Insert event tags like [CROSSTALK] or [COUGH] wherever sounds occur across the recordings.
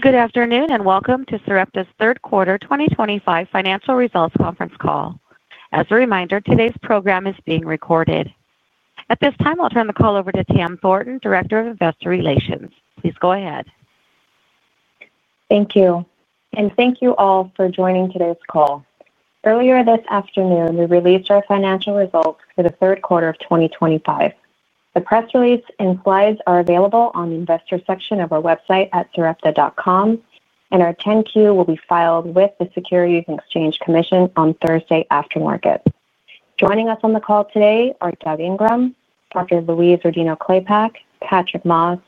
Good afternoon and welcome to Sarepta's third quarter 2025 financial results conference call. As a reminder, today's program is being recorded. At this time, I'll turn the call over to Tam Thornton, Director of Investor Relations. Please go ahead. Thank you. Thank you all for joining today's call. Earlier this afternoon, we released our financial results for the third quarter of 2025. The press release and slides are available on the investor section of our website at sarepta.com, and our 10-Q will be filed with the Securities and Exchange Commission on Thursday aftermarket. Joining us on the call today are Doug Ingram, Dr. Louise Rodino-Klapac, Patrick Moss,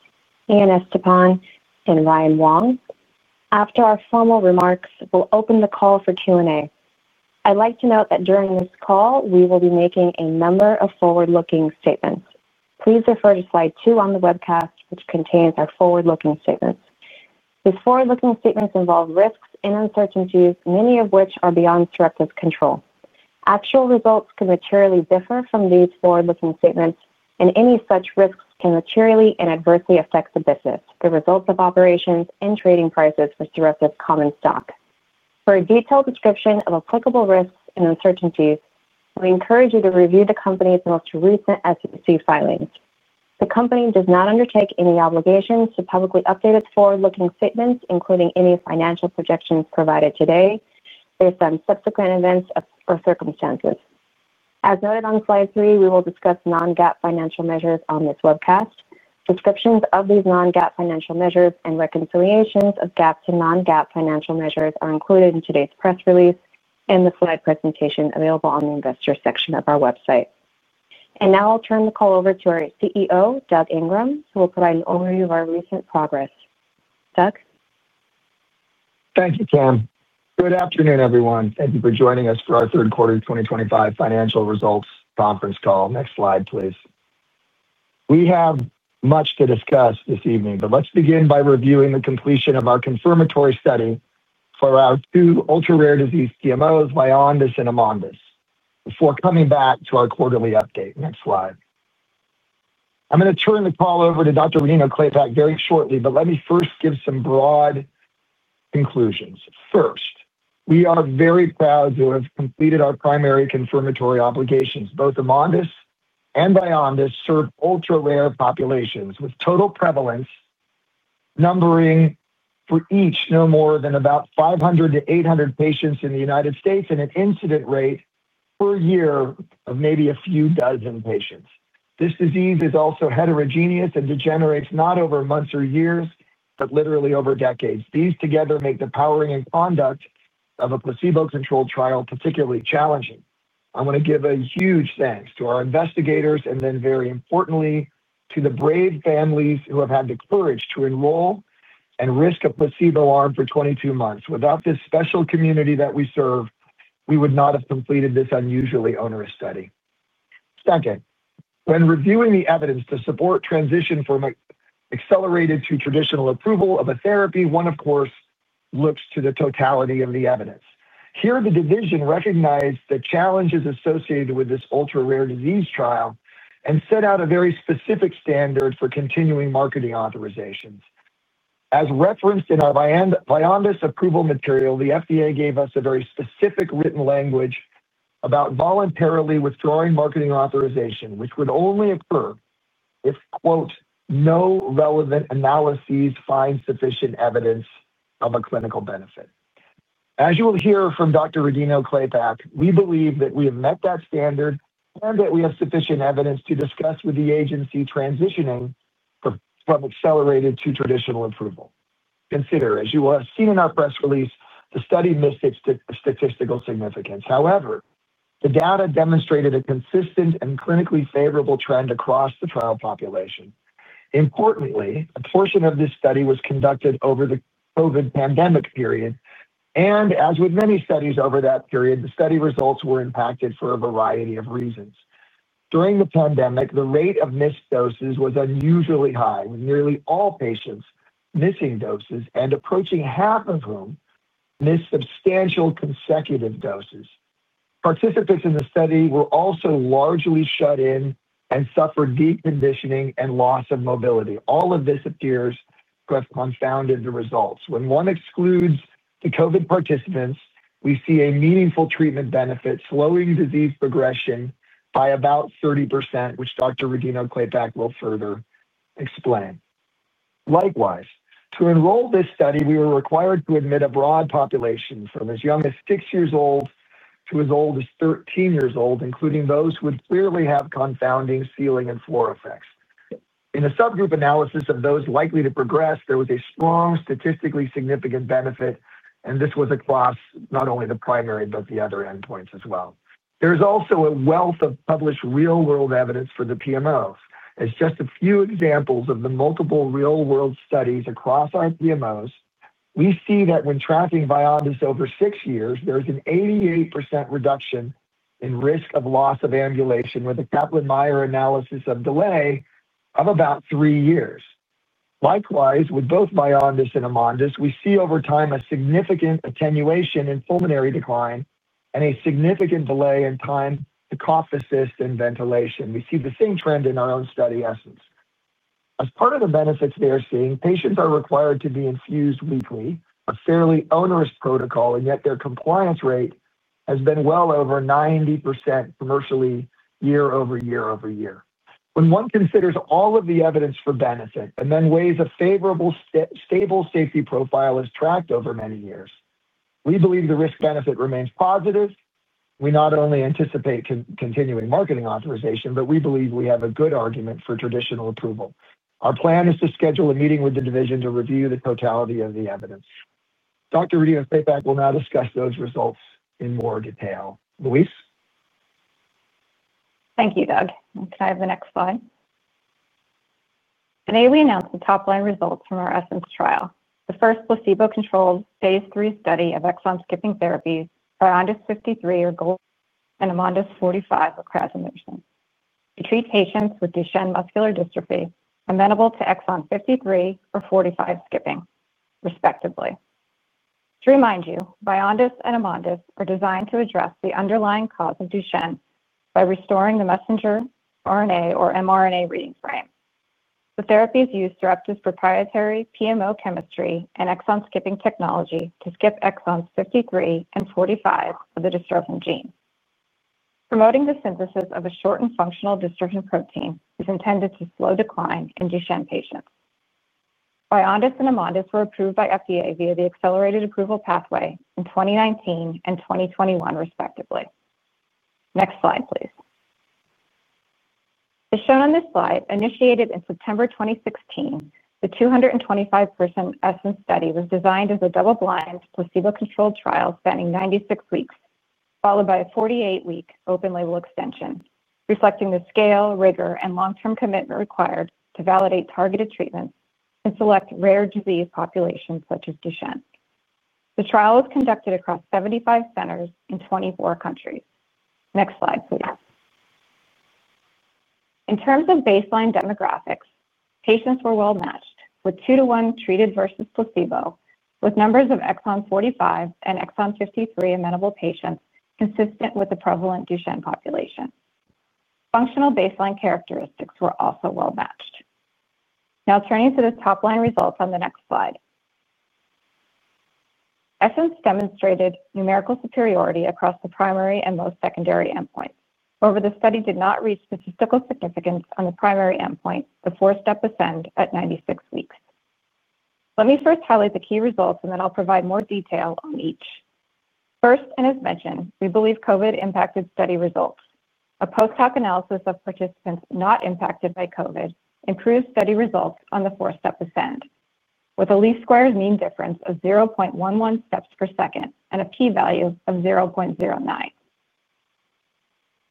Ian Estepan, and Ryan Wong. After our formal remarks, we'll open the call for Q&A. I'd like to note that during this call, we will be making a number of forward-looking statements. Please refer to slide two on the webcast, which contains our forward-looking statements. These forward-looking statements involve risks and uncertainties, many of which are beyond Sarepta's control. Actual results can materially differ from these forward-looking statements, and any such risks can materially and adversely affect the business, the results of operations, and trading prices for Sarepta's common stock. For a detailed description of applicable risks and uncertainties, we encourage you to review the company's most recent SEC filings. The company does not undertake any obligations to publicly update its forward-looking statements, including any financial projections provided today based on subsequent events or circumstances. As noted on slide three, we will discuss non-GAAP financial measures on this webcast. Descriptions of these non-GAAP financial measures and reconciliations of GAAP to non-GAAP financial measures are included in today's press release and the slide presentation available on the investor section of our website. Now I'll turn the call over to our CEO, Doug Ingram, who will provide an overview of our recent progress. Doug? Thank you, Tam. Good afternoon, everyone. Thank you for joining us for our third quarter 2025 financial results conference call. Next slide, please. We have much to discuss this evening, but let's begin by reviewing the completion of our confirmatory study for our two ultra-rare disease CMOs, VYONDYS and AMONDYS, before coming back to our quarterly update. Next slide. I'm going to turn the call over to Dr. Rodino-Klapac very shortly, but let me first give some broad conclusions. First, we are very proud to have completed our primary confirmatory obligations. Both AMONDYS and VYONDYS serve ultra-rare populations with total prevalence numbering for each no more than about 500-800 patients in the United States and an incident rate per year of maybe a few dozen patients. This disease is also heterogeneous and degenerates not over months or years, but literally over decades. These together make the powering and conduct of a placebo-controlled trial particularly challenging. I want to give a huge thanks to our investigators and then, very importantly, to the brave families who have had the courage to enroll and risk a placebo arm for 22 months. Without this special community that we serve, we would not have completed this unusually onerous study. Second, when reviewing the evidence to support transition from accelerated to traditional approval of a therapy, one, of course, looks to the totality of the evidence. Here, the division recognized the challenges associated with this ultra-rare disease trial and set out a very specific standard for continuing marketing authorizations. As referenced in our VYONDYS approval material, the FDA gave us a very specific written language about voluntarily withdrawing marketing authorization, which would only occur if, quote, "no relevant analyses find sufficient evidence of a clinical benefit." As you will hear from Dr. Rodino-Klapac, we believe that we have met that standard and that we have sufficient evidence to discuss with the agency transitioning from accelerated to traditional approval. Consider, as you will have seen in our press release, the study missed its statistical significance. However, the data demonstrated a consistent and clinically favorable trend across the trial population. Importantly, a portion of this study was conducted over the COVID pandemic period, and as with many studies over that period, the study results were impacted for a variety of reasons. During the pandemic, the rate of missed doses was unusually high, with nearly all patients missing doses and approaching half of whom missed substantial consecutive doses. Participants in the study were also largely shut in and suffered deconditioning and loss of mobility. All of this appears to have confounded the results. When one excludes the COVID participants, we see a meaningful treatment benefit slowing disease progression by about 30%, which Dr. Rodino-Klapac will further explain. Likewise, to enroll this study, we were required to admit a broad population from as young as six years old to as old as 13 years old, including those who would clearly have confounding ceiling and floor effects. In a subgroup analysis of those likely to progress, there was a strong statistically significant benefit, and this was across not only the primary but the other endpoints as well. There is also a wealth of published real-world evidence for the PMOs. As just a few examples of the multiple real-world studies across our PMOs, we see that when tracking VYONDYS over six years, there is an 88% reduction in risk of loss of ambulation with a Kaplan-Meier analysis of delay of about three years. Likewise, with both VYONDYS and AMONDYS, we see over time a significant attenuation in pulmonary decline and a significant delay in time to cough assist and ventilation. We see the same trend in our own study, ESSENCE. As part of the benefits they are seeing, patients are required to be infused weekly, a fairly onerous protocol, and yet their compliance rate has been well over 90% commercially year over year over year. When one considers all of the evidence for benefit and then weighs a favorable stable safety profile as tracked over many years, we believe the risk-benefit remains positive. We not only anticipate continuing marketing authorization, but we believe we have a good argument for traditional approval. Our plan is to schedule a meeting with the division to review the totality of the evidence. Dr. Rodino-Klapac will now discuss those results in more detail. Louise? Thank you, Doug. Can I have the next slide? Today, we announced the top-line results from our ESSENCE trial. The first placebo-controlled phase III study of exon-skipping therapies for VYONDYS 53 or golodirsen and AMONDYS 45 or casimersen to treat patients with Duchenne muscular dystrophy amenable to exon 53 or 45 skipping, respectively. To remind you, VYONDYS and AMONDYS are designed to address the underlying cause of Duchenne by restoring the messenger RNA or mRNA reading frame. The therapies use Sarepta's proprietary PMO chemistry and exon-skipping technology to skip exons 53 and 45 of the dystrophin gene. Promoting the synthesis of a shortened functional dystrophin protein is intended to slow decline in Duchenne patients. VYONDYS and AMONDYS were approved by FDA via the accelerated approval pathway in 2019 and 2021, respectively. Next slide, please. As shown on this slide, initiated in September 2016, the 225-person ESSENCE study was designed as a double-blind placebo-controlled trial spanning 96 weeks, followed by a 48-week open-label extension, reflecting the scale, rigor, and long-term commitment required to validate targeted treatments and select rare disease populations such as Duchenne. The trial was conducted across 75 centers in 24 countries. Next slide, please. In terms of baseline demographics, patients were well-matched with two-to-one treated versus placebo, with numbers of exon 45 and exon 53 amenable patients consistent with the prevalent Duchenne population. Functional baseline characteristics were also well-matched. Now, turning to the top-line results on the next slide. ESSENCE demonstrated numerical superiority across the primary and most secondary endpoints. However, the study did not reach statistical significance on the primary endpoint, the four-step ascend at 96 weeks. Let me first highlight the key results, and then I'll provide more detail on each. First, and as mentioned, we believe COVID impacted study results. A post-hoc analysis of participants not impacted by COVID improves study results on the four-step ascend, with a least square mean difference of 0.11 steps per second and a p-value of 0.09.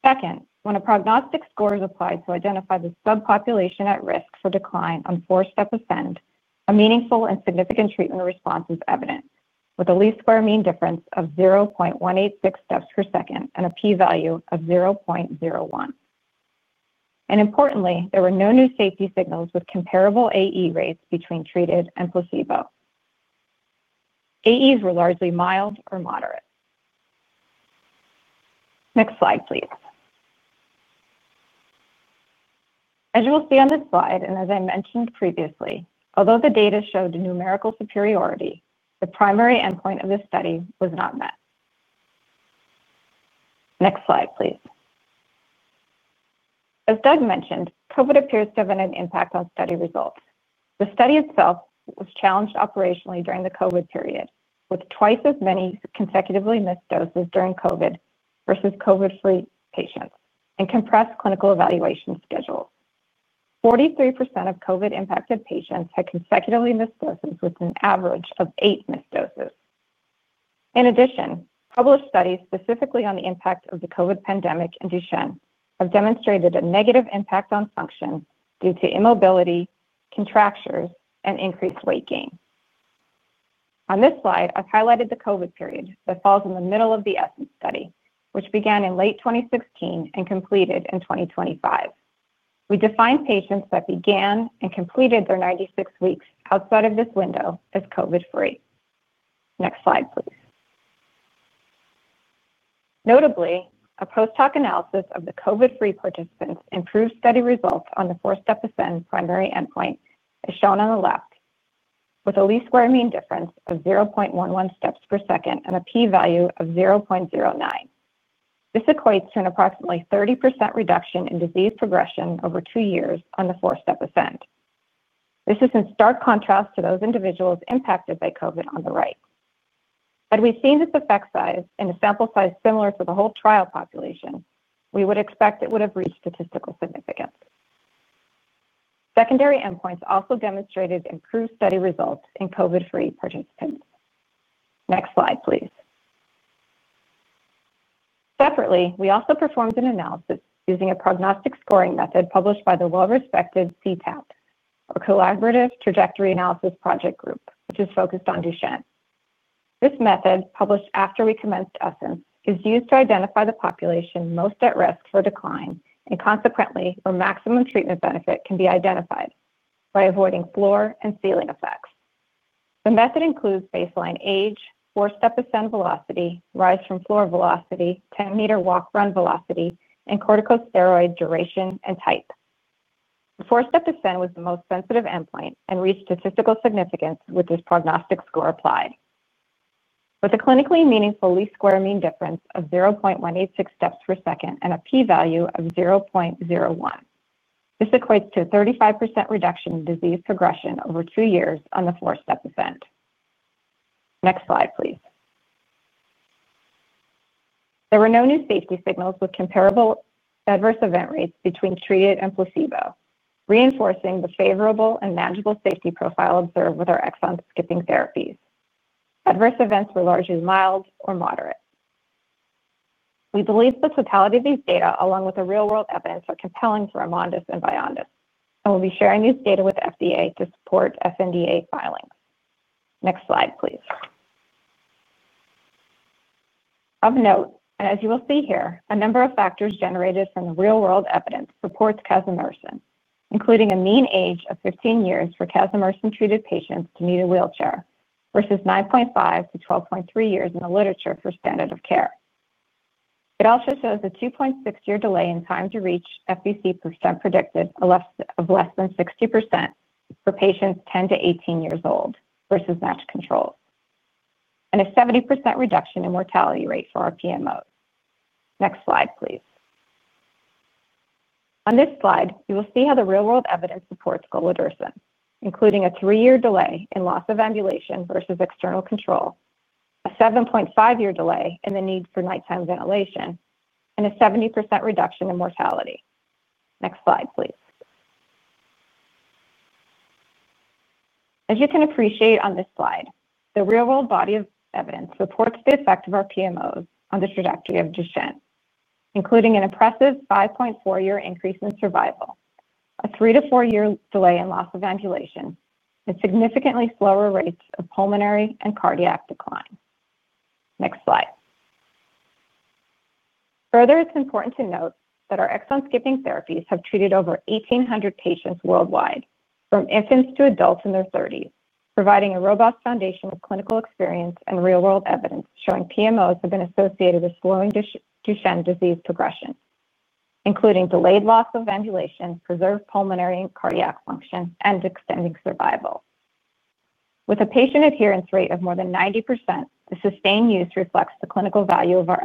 Second, when a prognostic score is applied to identify the subpopulation at risk for decline on four-step ascend, a meaningful and significant treatment response is evident, with a least square mean difference of 0.186 steps per second and a p-value of 0.01. Importantly, there were no new safety signals with comparable AE rates between treated and placebo. AEs were largely mild or moderate. Next slide, please. As you will see on this slide, and as I mentioned previously, although the data showed numerical superiority, the primary endpoint of this study was not met. Next slide, please. As Doug mentioned, COVID appears to have had an impact on study results. The study itself was challenged operationally during the COVID period, with twice as many consecutively missed doses during COVID versus COVID-free patients and compressed clinical evaluation schedules. 43% of COVID-impacted patients had consecutively missed doses with an average of eight missed doses. In addition, published studies specifically on the impact of the COVID pandemic and Duchenne have demonstrated a negative impact on function due to immobility, contractures, and increased weight gain. On this slide, I've highlighted the COVID period that falls in the middle of the ESSENCE study, which began in late 2016 and completed in 2025. We defined patients that began and completed their 96 weeks outside of this window as COVID-free. Next slide, please. Notably, a post-hoc analysis of the COVID-free participants improved study results on the four-step ascend primary endpoint, as shown on the left, with a least square mean difference of 0.11 steps per second and a p-value of 0.09. This equates to an approximately 30% reduction in disease progression over two years on the four-step ascend. This is in stark contrast to those individuals impacted by COVID on the right. Had we seen this effect size in a sample size similar to the whole trial population, we would expect it would have reached statistical significance. Secondary endpoints also demonstrated improved study results in COVID-free participants. Next slide, please. Separately, we also performed an analysis using a prognostic scoring method published by the well-respected cTAP, or Collaborative Trajectory Analysis Project Group, which is focused on Duchenne. This method, published after we commenced ESSENCE, is used to identify the population most at risk for decline and, consequently, where maximum treatment benefit can be identified by avoiding floor and ceiling effects. The method includes baseline age, four-step ascend velocity, rise from floor velocity, 10 m walk-run velocity, and corticosteroid duration and type. The four-step ascend was the most sensitive endpoint and reached statistical significance with this prognostic score applied. With a clinically meaningful least square mean difference of 0.186 steps per second and a p-value of 0.01, this equates to a 35% reduction in disease progression over two years on the four-step ascend. Next slide, please. There were no new safety signals with comparable adverse event rates between treated and placebo, reinforcing the favorable and manageable safety profile observed with our exon-skipping therapies. Adverse events were largely mild or moderate. We believe the totality of these data, along with the real-world evidence, are compelling for AMONDYS and VYONDYS, and we'll be sharing these data with the FDA to support sNDA filings. Next slide, please. Of note, as you will see here, a number of factors generated from the real-world evidence supports casimersen, including a mean age of 15 years for casimersen-treated patients to need a wheelchair versus 9.5-12.3 years in the literature for standard of care. It also shows a 2.6-year delay in time to reach FVC percent predicted of less than 60% for patients 10-18 years old versus matched controls. And a 70% reduction in mortality rate for our PMOs. Next slide, please. On this slide, you will see how the real-world evidence supports golodirsen, including a three-year delay in loss of ambulation versus external control, a 7.5-year delay in the need for nighttime ventilation, and a 70% reduction in mortality. Next slide, please. As you can appreciate on this slide, the real-world body of evidence supports the effect of our PMOs on the trajectory of Duchenne, including an impressive 5.4-year increase in survival, a three-to-four-year delay in loss of ambulation, and significantly slower rates of pulmonary and cardiac decline. Next slide. Further, it is important to note that our exon-skipping therapies have treated over 1,800 patients worldwide, from infants to adults in their 30s, providing a robust foundation with clinical experience and real-world evidence showing PMOs have been associated with slowing Duchenne disease progression, including delayed loss of ambulation, preserved pulmonary and cardiac function, and extending survival. With a patient adherence rate of more than 90%, the sustained use reflects the clinical value of our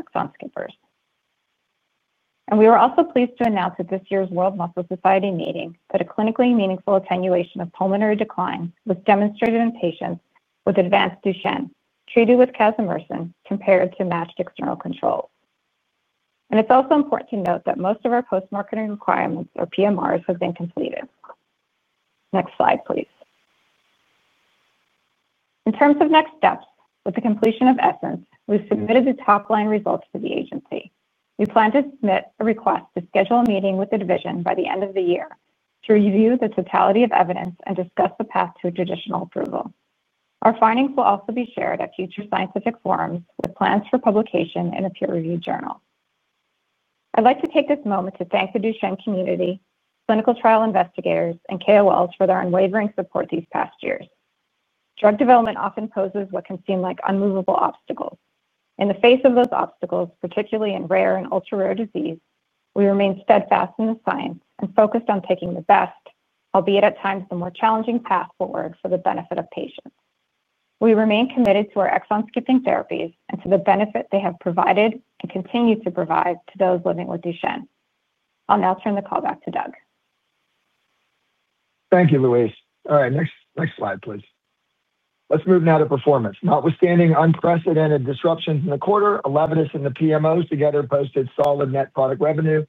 exon-skippers. We were also pleased to announce at this year's World Muscle Society meeting that a clinically meaningful attenuation of pulmonary decline was demonstrated in patients with advanced Duchenne treated with casimersen compared to matched external controls. It is also important to note that most of our post-marketing requirements, or PMRs, have been completed. Next slide, please. In terms of next steps, with the completion of ESSENCE, we have submitted the top-line results to the agency. We plan to submit a request to schedule a meeting with the division by the end of the year to review the totality of evidence and discuss the path to a traditional approval. Our findings will also be shared at future scientific forums with plans for publication in a peer-reviewed journal. I would like to take this moment to thank the Duchenne community, clinical trial investigators, and KOLs for their unwavering support these past years. Drug development often poses what can seem like unmovable obstacles. In the face of those obstacles, particularly in rare and ultra-rare disease, we remain steadfast in the science and focused on taking the best, albeit at times the more challenging path forward for the benefit of patients. We remain committed to our exon-skipping therapies and to the benefit they have provided and continue to provide to those living with Duchenne. I will now turn the call back to Doug. Thank you, Louise. All right, next slide, please. Let's move now to performance. Notwithstanding unprecedented disruptions in the quarter, ELEVIDYS and the PMOs together posted solid net product revenue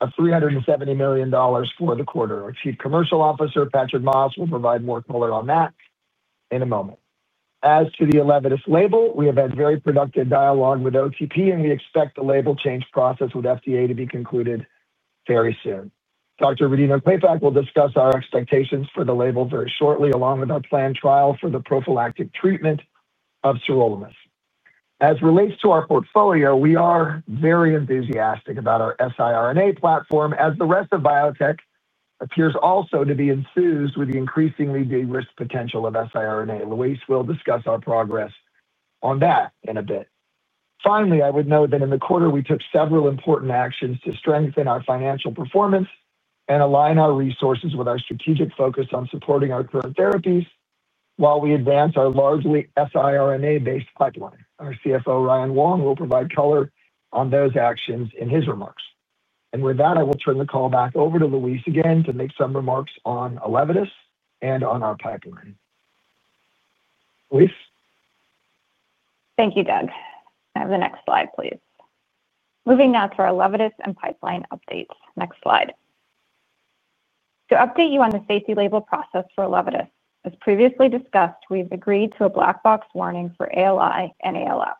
of $370 million for the quarter. Our Chief Commercial Officer, Patrick Moss, will provide more color on that in a moment. As to the ELEVIDYS label, we have had very productive dialogue with OTP, and we expect the label change process with FDA to be concluded very soon. Dr. Rodino-Klapac will discuss our expectations for the label very shortly, along with our planned trial for the prophylactic treatment of sirolimus. As it relates to our portfolio, we are very enthusiastic about our siRNA platform, as the rest of biotech appears also to be enthused with the increasingly big risk potential of siRNA. Louise will discuss our progress on that in a bit. Finally, I would note that in the quarter, we took several important actions to strengthen our financial performance and align our resources with our strategic focus on supporting our current therapies while we advance our largely siRNA-based pipeline. Our CFO, Ryan Wong, will provide color on those actions in his remarks. With that, I will turn the call back over to Louise again to make some remarks on ELEVIDYS and on our pipeline. Louise. Thank you, Doug. Now to the next slide, please. Moving now to our ELEVIDYS and pipeline updates. Next slide. To update you on the safety label process for ELEVIDYS, as previously discussed, we've agreed to a black box warning for ALI and ALF.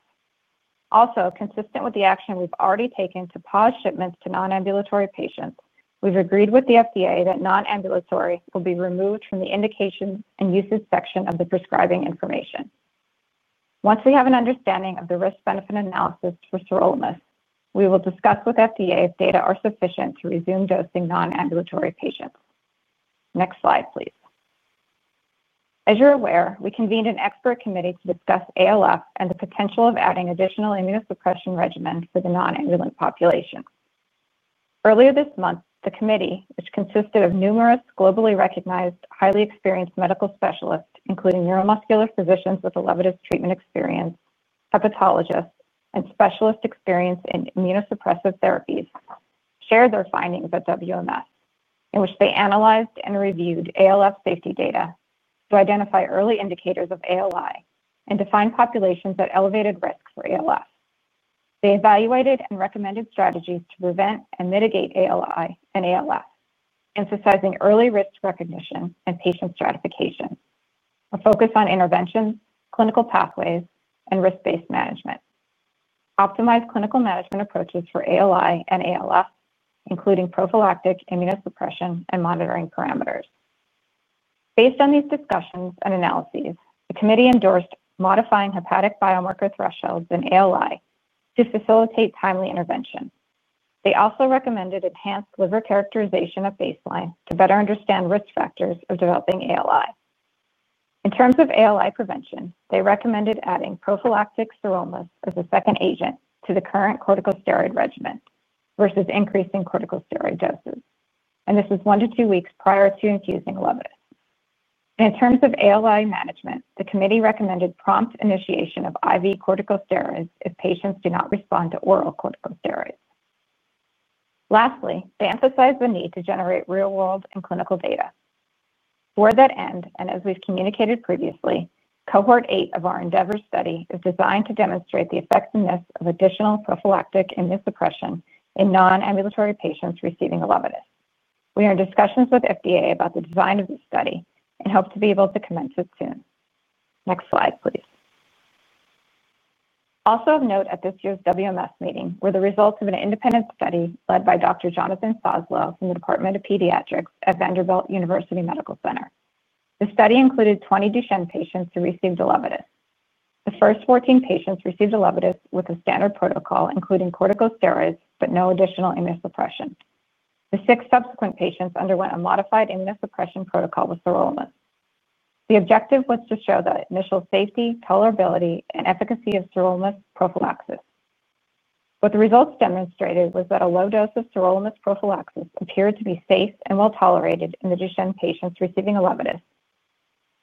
Also, consistent with the action we've already taken to pause shipments to non-ambulatory patients, we've agreed with the FDA that non-ambulatory will be removed from the indication and usage section of the prescribing information. Once we have an understanding of the risk-benefit analysis for sirolimus, we will discuss with FDA if data are sufficient to resume dosing non-ambulatory patients. Next slide, please. As you're aware, we convened an expert committee to discuss ALF and the potential of adding additional immunosuppression regimens for the non-ambulant population. Earlier this month, the committee, which consisted of numerous globally recognized, highly experienced medical specialists, including neuromuscular physicians with ELEVIDYS treatment experience, hepatologists, and specialists experienced in immunosuppressive therapies, shared their findings at WMS, in which they analyzed and reviewed ALF safety data to identify early indicators of ALI and define populations at elevated risk for ALF. They evaluated and recommended strategies to prevent and mitigate ALI and ALF, emphasizing early risk recognition and patient stratification, a focus on intervention, clinical pathways, and risk-based management. Optimized clinical management approaches for ALI and ALF, including prophylactic immunosuppression and monitoring parameters. Based on these discussions and analyses, the committee endorsed modifying hepatic biomarker thresholds in ALI to facilitate timely intervention. They also recommended enhanced liver characterization at baseline to better understand risk factors of developing ALI. In terms of ALI prevention, they recommended adding prophylactic sirolimus as a second agent to the current corticosteroid regimen versus increasing corticosteroid doses, and this is one to two weeks prior to infusing ELEVIDYS. In terms of ALI management, the committee recommended prompt initiation of IV corticosteroids if patients do not respond to oral corticosteroids. Lastly, they emphasized the need to generate real-world and clinical data. Toward that end, and as we've communicated previously, Cohort 8 of our ENDEAVOR study is designed to demonstrate the effectiveness of additional prophylactic immunosuppression in non-ambulatory patients receiving ELEVIDYS. We are in discussions with FDA about the design of the study and hope to be able to commence it soon. Next slide, please. Also of note at this year's WMS meeting were the results of an independent study led by Dr. Jonathan Soslow from the Department of Pediatrics at Vanderbilt University Medical Center. The study included 20 Duchenne patients who received ELEVIDYS. The first 14 patients received ELEVIDYS with a standard protocol, including corticosteroids, but no additional immunosuppression. The six subsequent patients underwent a modified immunosuppression protocol with sirolimus. The objective was to show the initial safety, tolerability, and efficacy of sirolimus prophylaxis. What the results demonstrated was that a low dose of sirolimus prophylaxis appeared to be safe and well-tolerated in the Duchenne patients receiving ELEVIDYS,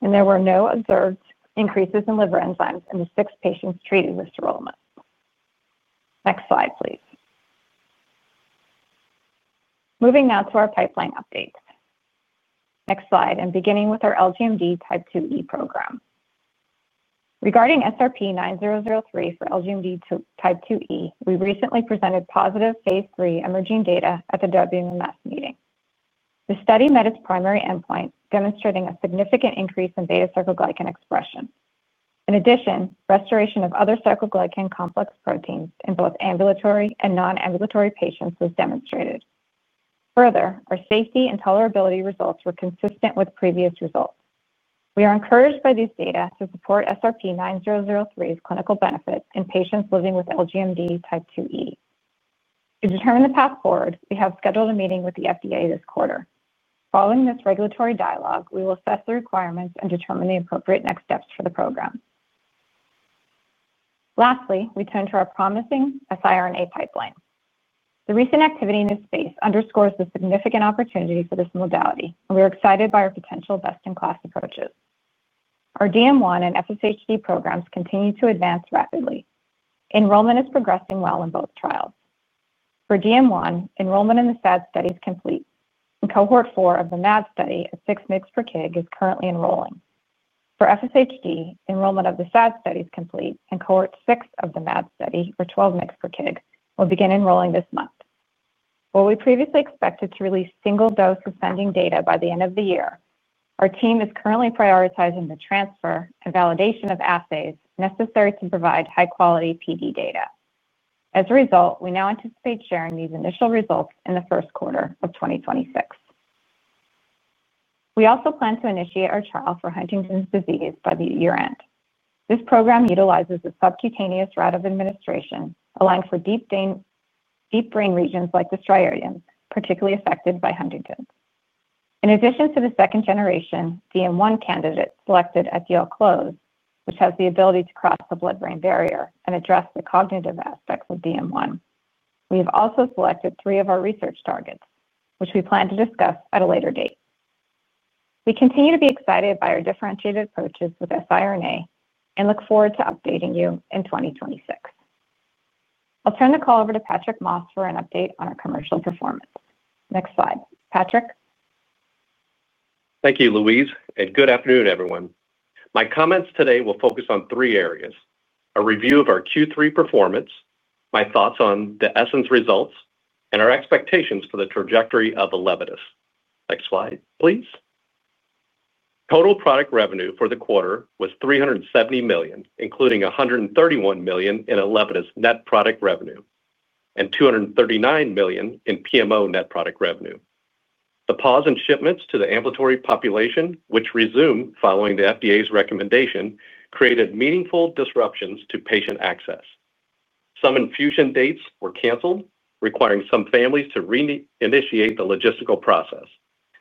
and there were no observed increases in liver enzymes in the six patients treated with sirolimus. Next slide, please. Moving now to our pipeline updates. Next slide, and beginning with our LGMD Type 2E program. Regarding SRP-9003 for LGMD Type 2E, we recently presented positive phase III emerging data at the WMS meeting. The study met its primary endpoint, demonstrating a significant increase in beta-sarcoglycan expression. In addition, restoration of other sarcoglycan complex proteins in both ambulatory and non-ambulatory patients was demonstrated. Further, our safety and tolerability results were consistent with previous results. We are encouraged by these data to support SRP-9003's clinical benefits in patients living with LGMD Type 2E. To determine the path forward, we have scheduled a meeting with the FDA this quarter. Following this regulatory dialogue, we will assess the requirements and determine the appropriate next steps for the program. Lastly, we turn to our promising siRNA pipeline. The recent activity in this space underscores the significant opportunity for this modality, and we are excited by our potential best-in-class approaches. Our DM1 and FSHD programs continue to advance rapidly. Enrollment is progressing well in both trials. For DM1, enrollment in the SAD study is complete, and Cohort 4 of the MAD study of 6 mg per kg is currently enrolling. For FSHD, enrollment of the SAD study is complete, and Cohort 6 of the MAD study for 12 mg per kg will begin enrolling this month. While we previously expected to release single-dose ascending data by the end of the year, our team is currently prioritizing the transfer and validation of assays necessary to provide high-quality PD data. As a result, we now anticipate sharing these initial results in the first quarter of 2026. We also plan to initiate our trial for Huntington's disease by the year-end. This program utilizes a subcutaneous route of administration, allowing for deep brain regions like the striatum, particularly affected by Huntington's. In addition to the second-generation DM1 candidate selected at the outset, which has the ability to cross the blood-brain barrier and address the cognitive aspects of DM1, we have also selected three of our research targets, which we plan to discuss at a later date. We continue to be excited by our differentiated approaches with siRNA and look forward to updating you in 2026. I'll turn the call over to Patrick Moss for an update on our commercial performance. Next slide. Patrick. Thank you, Louise, and good afternoon, everyone. My comments today will focus on three areas: a review of our Q3 performance, my thoughts on the ESSENCE results, and our expectations for the trajectory of ELEVIDYS. Next slide, please. Total product revenue for the quarter was $370 million, including $131 million in ELEVIDYS net product revenue and $239 million in PMO net product revenue. The pause in shipments to the ambulatory population, which resumed following the FDA's recommendation, created meaningful disruptions to patient access. Some infusion dates were canceled, requiring some families to reinitiate the logistical process: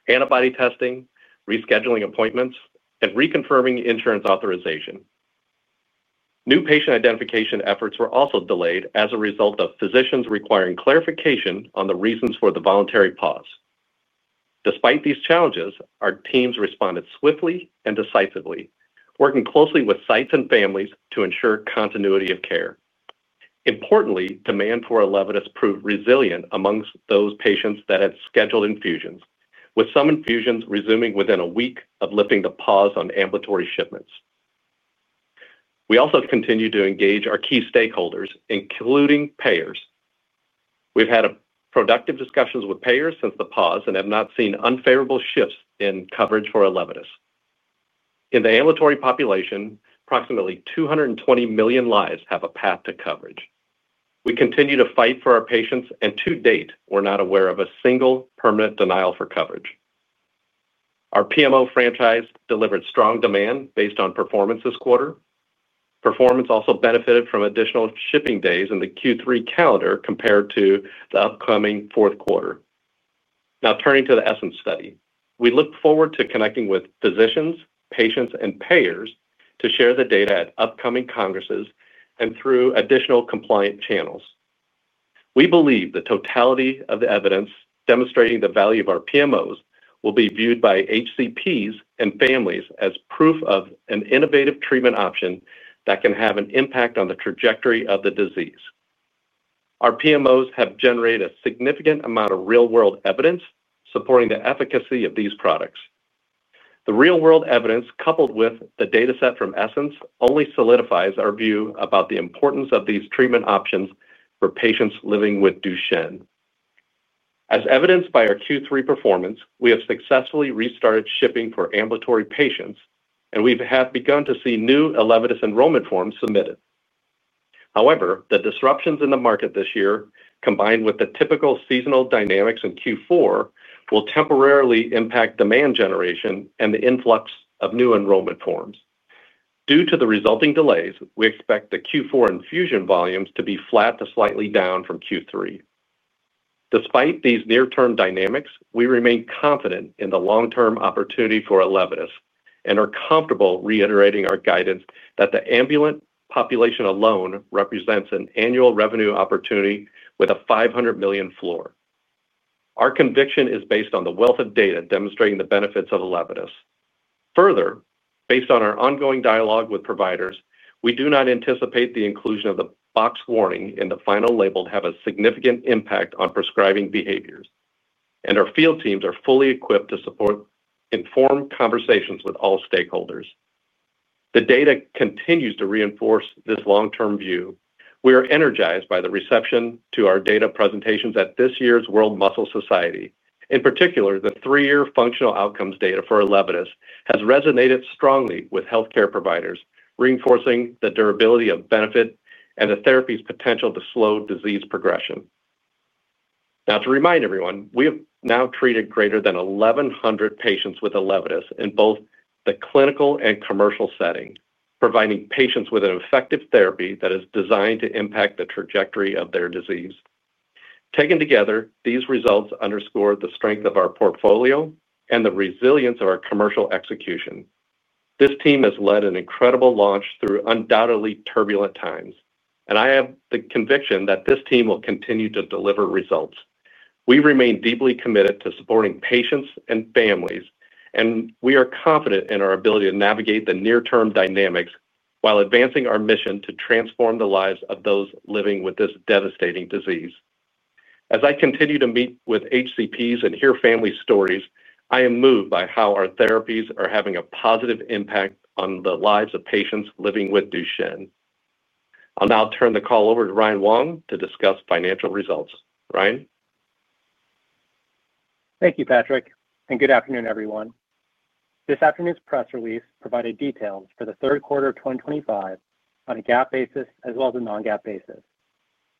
antibody testing, rescheduling appointments, and reconfirming insurance authorization. New patient identification efforts were also delayed as a result of physicians requiring clarification on the reasons for the voluntary pause. Despite these challenges, our teams responded swiftly and decisively, working closely with sites and families to ensure continuity of care. Importantly, demand for ELEVIDYS proved resilient amongst those patients that had scheduled infusions, with some infusions resuming within a week of lifting the pause on ambulatory shipments. We also continue to engage our key stakeholders, including payers. We've had productive discussions with payers since the pause and have not seen unfavorable shifts in coverage for ELEVIDYS. In the ambulatory population, approximately 220 million lives have a path to coverage. We continue to fight for our patients, and to date, we're not aware of a single permanent denial for coverage. Our PMO franchise delivered strong demand based on performance this quarter. Performance also benefited from additional shipping days in the Q3 calendar compared to the upcoming fourth quarter. Now, turning to the ESSENCE study, we look forward to connecting with physicians, patients, and payers to share the data at upcoming congresses and through additional compliant channels. We believe the totality of the evidence demonstrating the value of our PMOs will be viewed by HCPs and families as proof of an innovative treatment option that can have an impact on the trajectory of the disease. Our PMOs have generated a significant amount of real-world evidence supporting the efficacy of these products. The real-world evidence, coupled with the dataset from ESSENCE, only solidifies our view about the importance of these treatment options for patients living with Duchenne. As evidenced by our Q3 performance, we have successfully restarted shipping for ambulatory patients, and we have begun to see new ELEVIDYS enrollment forms submitted. However, the disruptions in the market this year, combined with the typical seasonal dynamics in Q4, will temporarily impact demand generation and the influx of new enrollment forms. Due to the resulting delays, we expect the Q4 infusion volumes to be flat to slightly down from Q3. Despite these near-term dynamics, we remain confident in the long-term opportunity for ELEVIDYS and are comfortable reiterating our guidance that the ambulant population alone represents an annual revenue opportunity with a $500 million floor. Our conviction is based on the wealth of data demonstrating the benefits of ELEVIDYS. Further, based on our ongoing dialogue with providers, we do not anticipate the inclusion of the box warning in the final label to have a significant impact on prescribing behaviors, and our field teams are fully equipped to support informed conversations with all stakeholders. The data continues to reinforce this long-term view. We are energized by the reception to our data presentations at this year's World Muscle Society. In particular, the three-year functional outcomes data for ELEVIDYS has resonated strongly with healthcare providers, reinforcing the durability of benefit and the therapy's potential to slow disease progression. Now, to remind everyone, we have now treated greater than 1,100 patients with ELEVIDYS in both the clinical and commercial setting, providing patients with an effective therapy that is designed to impact the trajectory of their disease. Taken together, these results underscore the strength of our portfolio and the resilience of our commercial execution. This team has led an incredible launch through undoubtedly turbulent times, and I have the conviction that this team will continue to deliver results. We remain deeply committed to supporting patients and families, and we are confident in our ability to navigate the near-term dynamics while advancing our MISSION to transform the lives of those living with this devastating disease. As I continue to meet with HCPs and hear family stories, I am moved by how our therapies are having a positive impact on the lives of patients living with Duchenne. I'll now turn the call over to Ryan Wong to discuss financial results. Ryan. Thank you, Patrick, and good afternoon, everyone. This afternoon's press release provided details for the third quarter of 2025 on a GAAP basis as well as a non-GAAP basis.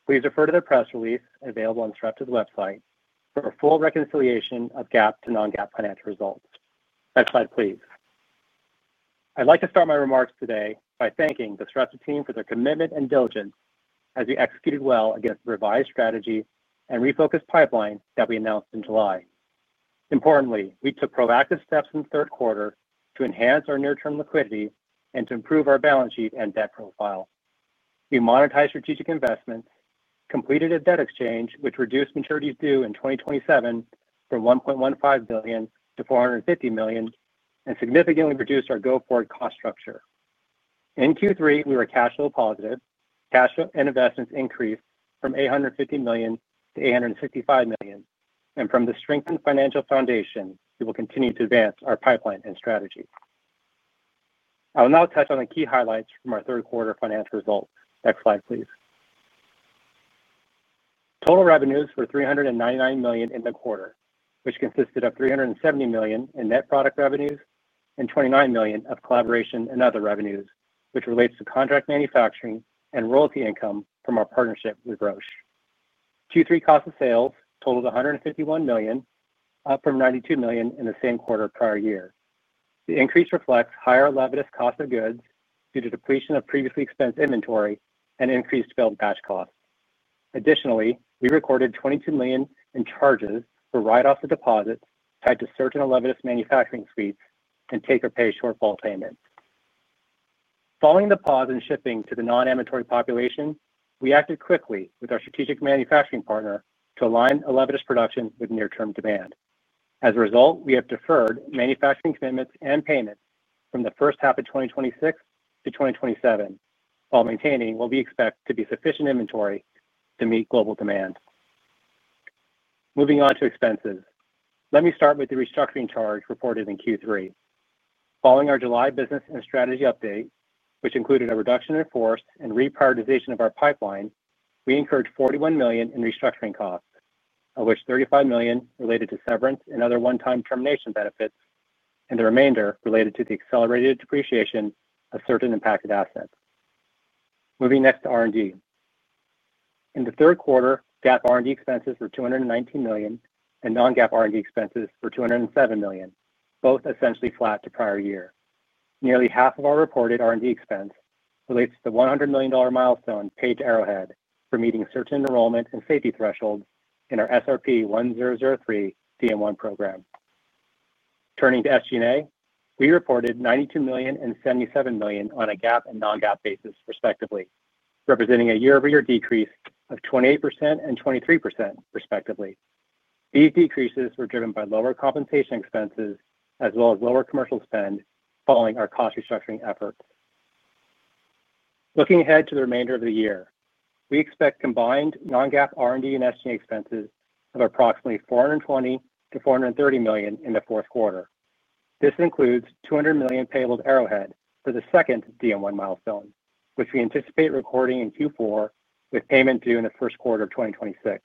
Please refer to the press release available on Sarepta's website for a full reconciliation of GAAP to non-GAAP financial results. Next slide, please. I'd like to start my remarks today by thanking the Sarepta team for their commitment and diligence as we executed well against the revised strategy and refocused pipeline that we announced in July. Importantly, we took proactive steps in the third quarter to enhance our near-term liquidity and to improve our balance sheet and debt profile. We monetized strategic investments, completed a debt exchange, which reduced maturities due in 2027 from $1.15 billion to $450 million, and significantly reduced our go-forward cost structure. In Q3, we were cash flow positive. Cash and investments increased from $850 million to $865 million, and from the strengthened financial foundation, we will continue to advance our pipeline and strategy. I will now touch on the key highlights from our third quarter financial results. Next slide, please. Total revenues were $399 million in the quarter, which consisted of $370 million in net product revenues and $29 million of collaboration and other revenues, which relates to contract manufacturing and royalty income from our partnership with Roche. Q3 cost of sales totaled $151 million, up from $92 million in the same quarter prior year. The increase reflects higher ELEVIDYS cost of goods due to depletion of previously expensed inventory and increased filled batch costs. Additionally, we recorded $22 million in charges for write-offs of deposits tied to certain ELEVIDYS manufacturing suites and take-or-pay shortfall payments. Following the pause in shipping to the non-ambulatory population, we acted quickly with our strategic manufacturing partner to align ELEVIDYS production with near-term demand. As a result, we have deferred manufacturing commitments and payments from the first half of 2026 to 2027 while maintaining what we expect to be sufficient inventory to meet global demand. Moving on to expenses, let me start with the restructuring charge reported in Q3. Following our July business and strategy update, which included a reduction in force and reprioritization of our pipeline, we incurred $41 million in restructuring costs, of which $35 million related to severance and other one-time termination benefits, and the remainder related to the accelerated depreciation of certain impacted assets. Moving next to R&D. In the third quarter, GAAP R&D expenses were $219 million and non-GAAP R&D expenses were $207 million, both essentially flat to prior year. Nearly half of our reported R&D expense relates to the $100 million milestone paid to Arrowhead for meeting certain enrollment and safety thresholds in our SRP-1003 DM1 program. Turning to SG&A, we reported $92 million and $77 million on a GAAP and non-GAAP basis, respectively, representing a year-over-year decrease of 28% and 23%, respectively. These decreases were driven by lower compensation expenses as well as lower commercial spend following our cost restructuring efforts. Looking ahead to the remainder of the year, we expect combined non-GAAP R&D and SG&A expenses of approximately $420 million-$430 million in the fourth quarter. This includes $200 million paid to Arrowhead for the second DM1 milestone, which we anticipate recording in Q4 with payment due in the first quarter of 2026.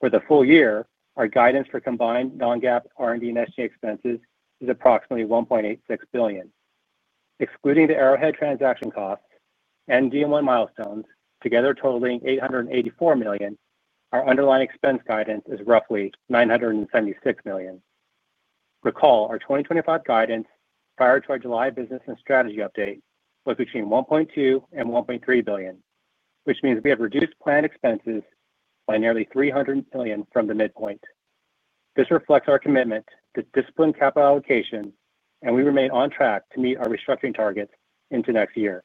For the full year, our guidance for combined non-GAAP R&D and SG&A expenses is approximately $1.86 billion. Excluding the Arrowhead transaction costs and DM1 milestones, together totaling $884 million, our underlying expense guidance is roughly $976 million. Recall, our 2025 guidance prior to our July business and strategy update was between $1.2 billion and $1.3 billion, which means we have reduced planned expenses by nearly $300 million from the midpoint. This reflects our commitment to disciplined capital allocation, and we remain on track to meet our restructuring targets into next year.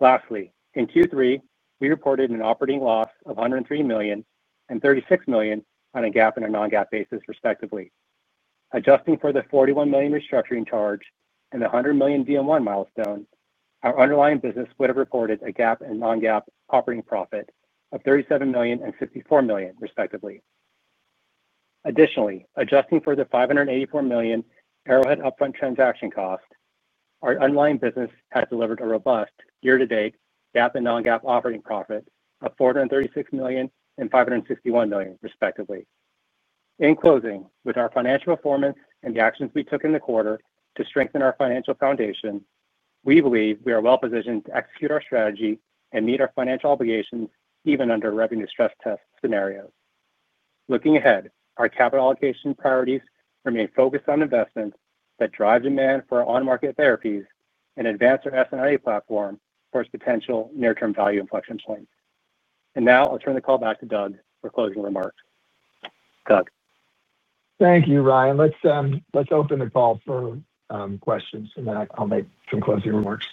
Lastly, in Q3, we reported an operating loss of $103 million and $36 million on a GAAP and a non-GAAP basis, respectively. Adjusting for the $41 million restructuring charge and the $100 million DM1 milestone, our underlying business would have reported a GAAP and non-GAAP operating profit of $37 million and $64 million, respectively. Additionally, adjusting for the $584 million Arrowhead upfront transaction cost, our underlying business has delivered a robust year-to-date GAAP and non-GAAP operating profit of $436 million and $561 million, respectively. In closing, with our financial performance and the actions we took in the quarter to strengthen our financial foundation, we believe we are well-positioned to execute our strategy and meet our financial obligations even under revenue stress test scenarios. Looking ahead, our capital allocation priorities remain focused on investments that drive demand for on-market therapies and advance our S&IA platform for its potential near-term value inflection points. Now I'll turn the call back to Doug for closing remarks. Doug. Thank you, Ryan. Let's open the call for questions, and then I'll make some closing remarks.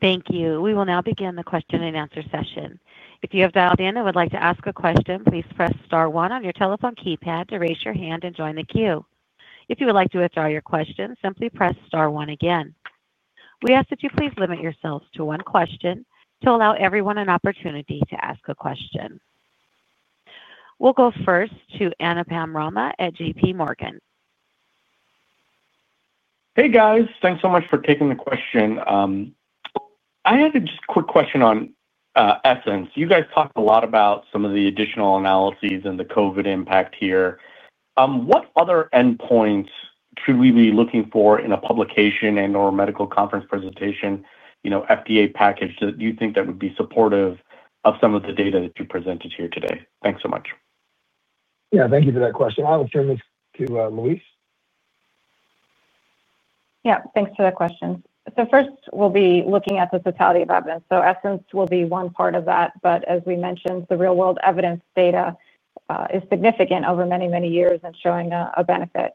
Thank you. We will now begin the question-and-answer session. If you have dialed in and would like to ask a question, please press star one on your telephone keypad to raise your hand and join the queue. If you would like to withdraw your question, simply press star one again. We ask that you please limit yourselves to one question to allow everyone an opportunity to ask a question. We'll go first to Anupam Rama at JPMorgan. Hey, guys. Thanks so much for taking the question. I had a just quick question on ESSENCE. You guys talked a lot about some of the additional analyses and the COVID impact here. What other endpoints should we be looking for in a publication and/or medical conference presentation, FDA package, that you think that would be supportive of some of the data that you presented here today? Thanks so much. Yeah, thank you for that question. I'll turn this to Louise. Yeah, thanks for that question. First, we'll be looking at the totality of evidence. ESSENCE will be one part of that, but as we mentioned, the real-world evidence data is significant over many, many years and showing a benefit.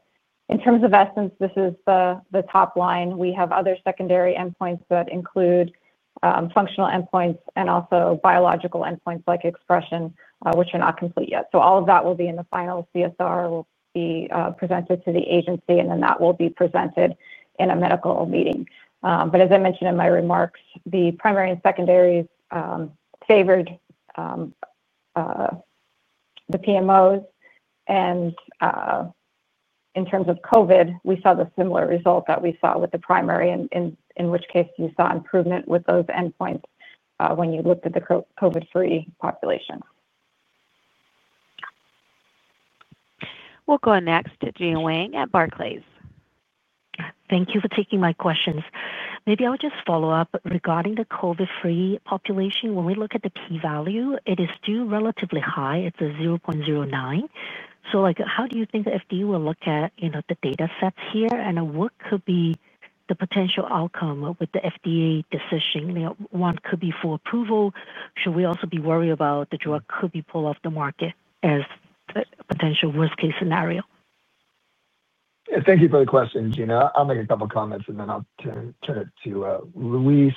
In terms of ESSENCE, this is the top line. We have other secondary endpoints that include functional endpoints and also biological endpoints like expression, which are not complete yet. All of that will be in the final CSR, will be presented to the agency, and then that will be presented in a medical meeting. As I mentioned in my remarks, the primary and secondaries favored the PMOs. In terms of COVID, we saw the similar result that we saw with the primary, in which case you saw improvement with those endpoints when you looked at the COVID-free population. We'll go next to Gena Wang at Barclays. Thank you for taking my questions. Maybe I would just follow up regarding the COVID-free population. When we look at the p-value, it is still relatively high. It's a 0.09. How do you think the FDA will look at the data sets here? What could be the potential outcome with the FDA decision? One could be for approval. Should we also be worried about the drug could be pulled off the market as a potential worst-case scenario? Thank you for the question, Gena. I'll make a couple of comments, and then I'll turn it to Louise.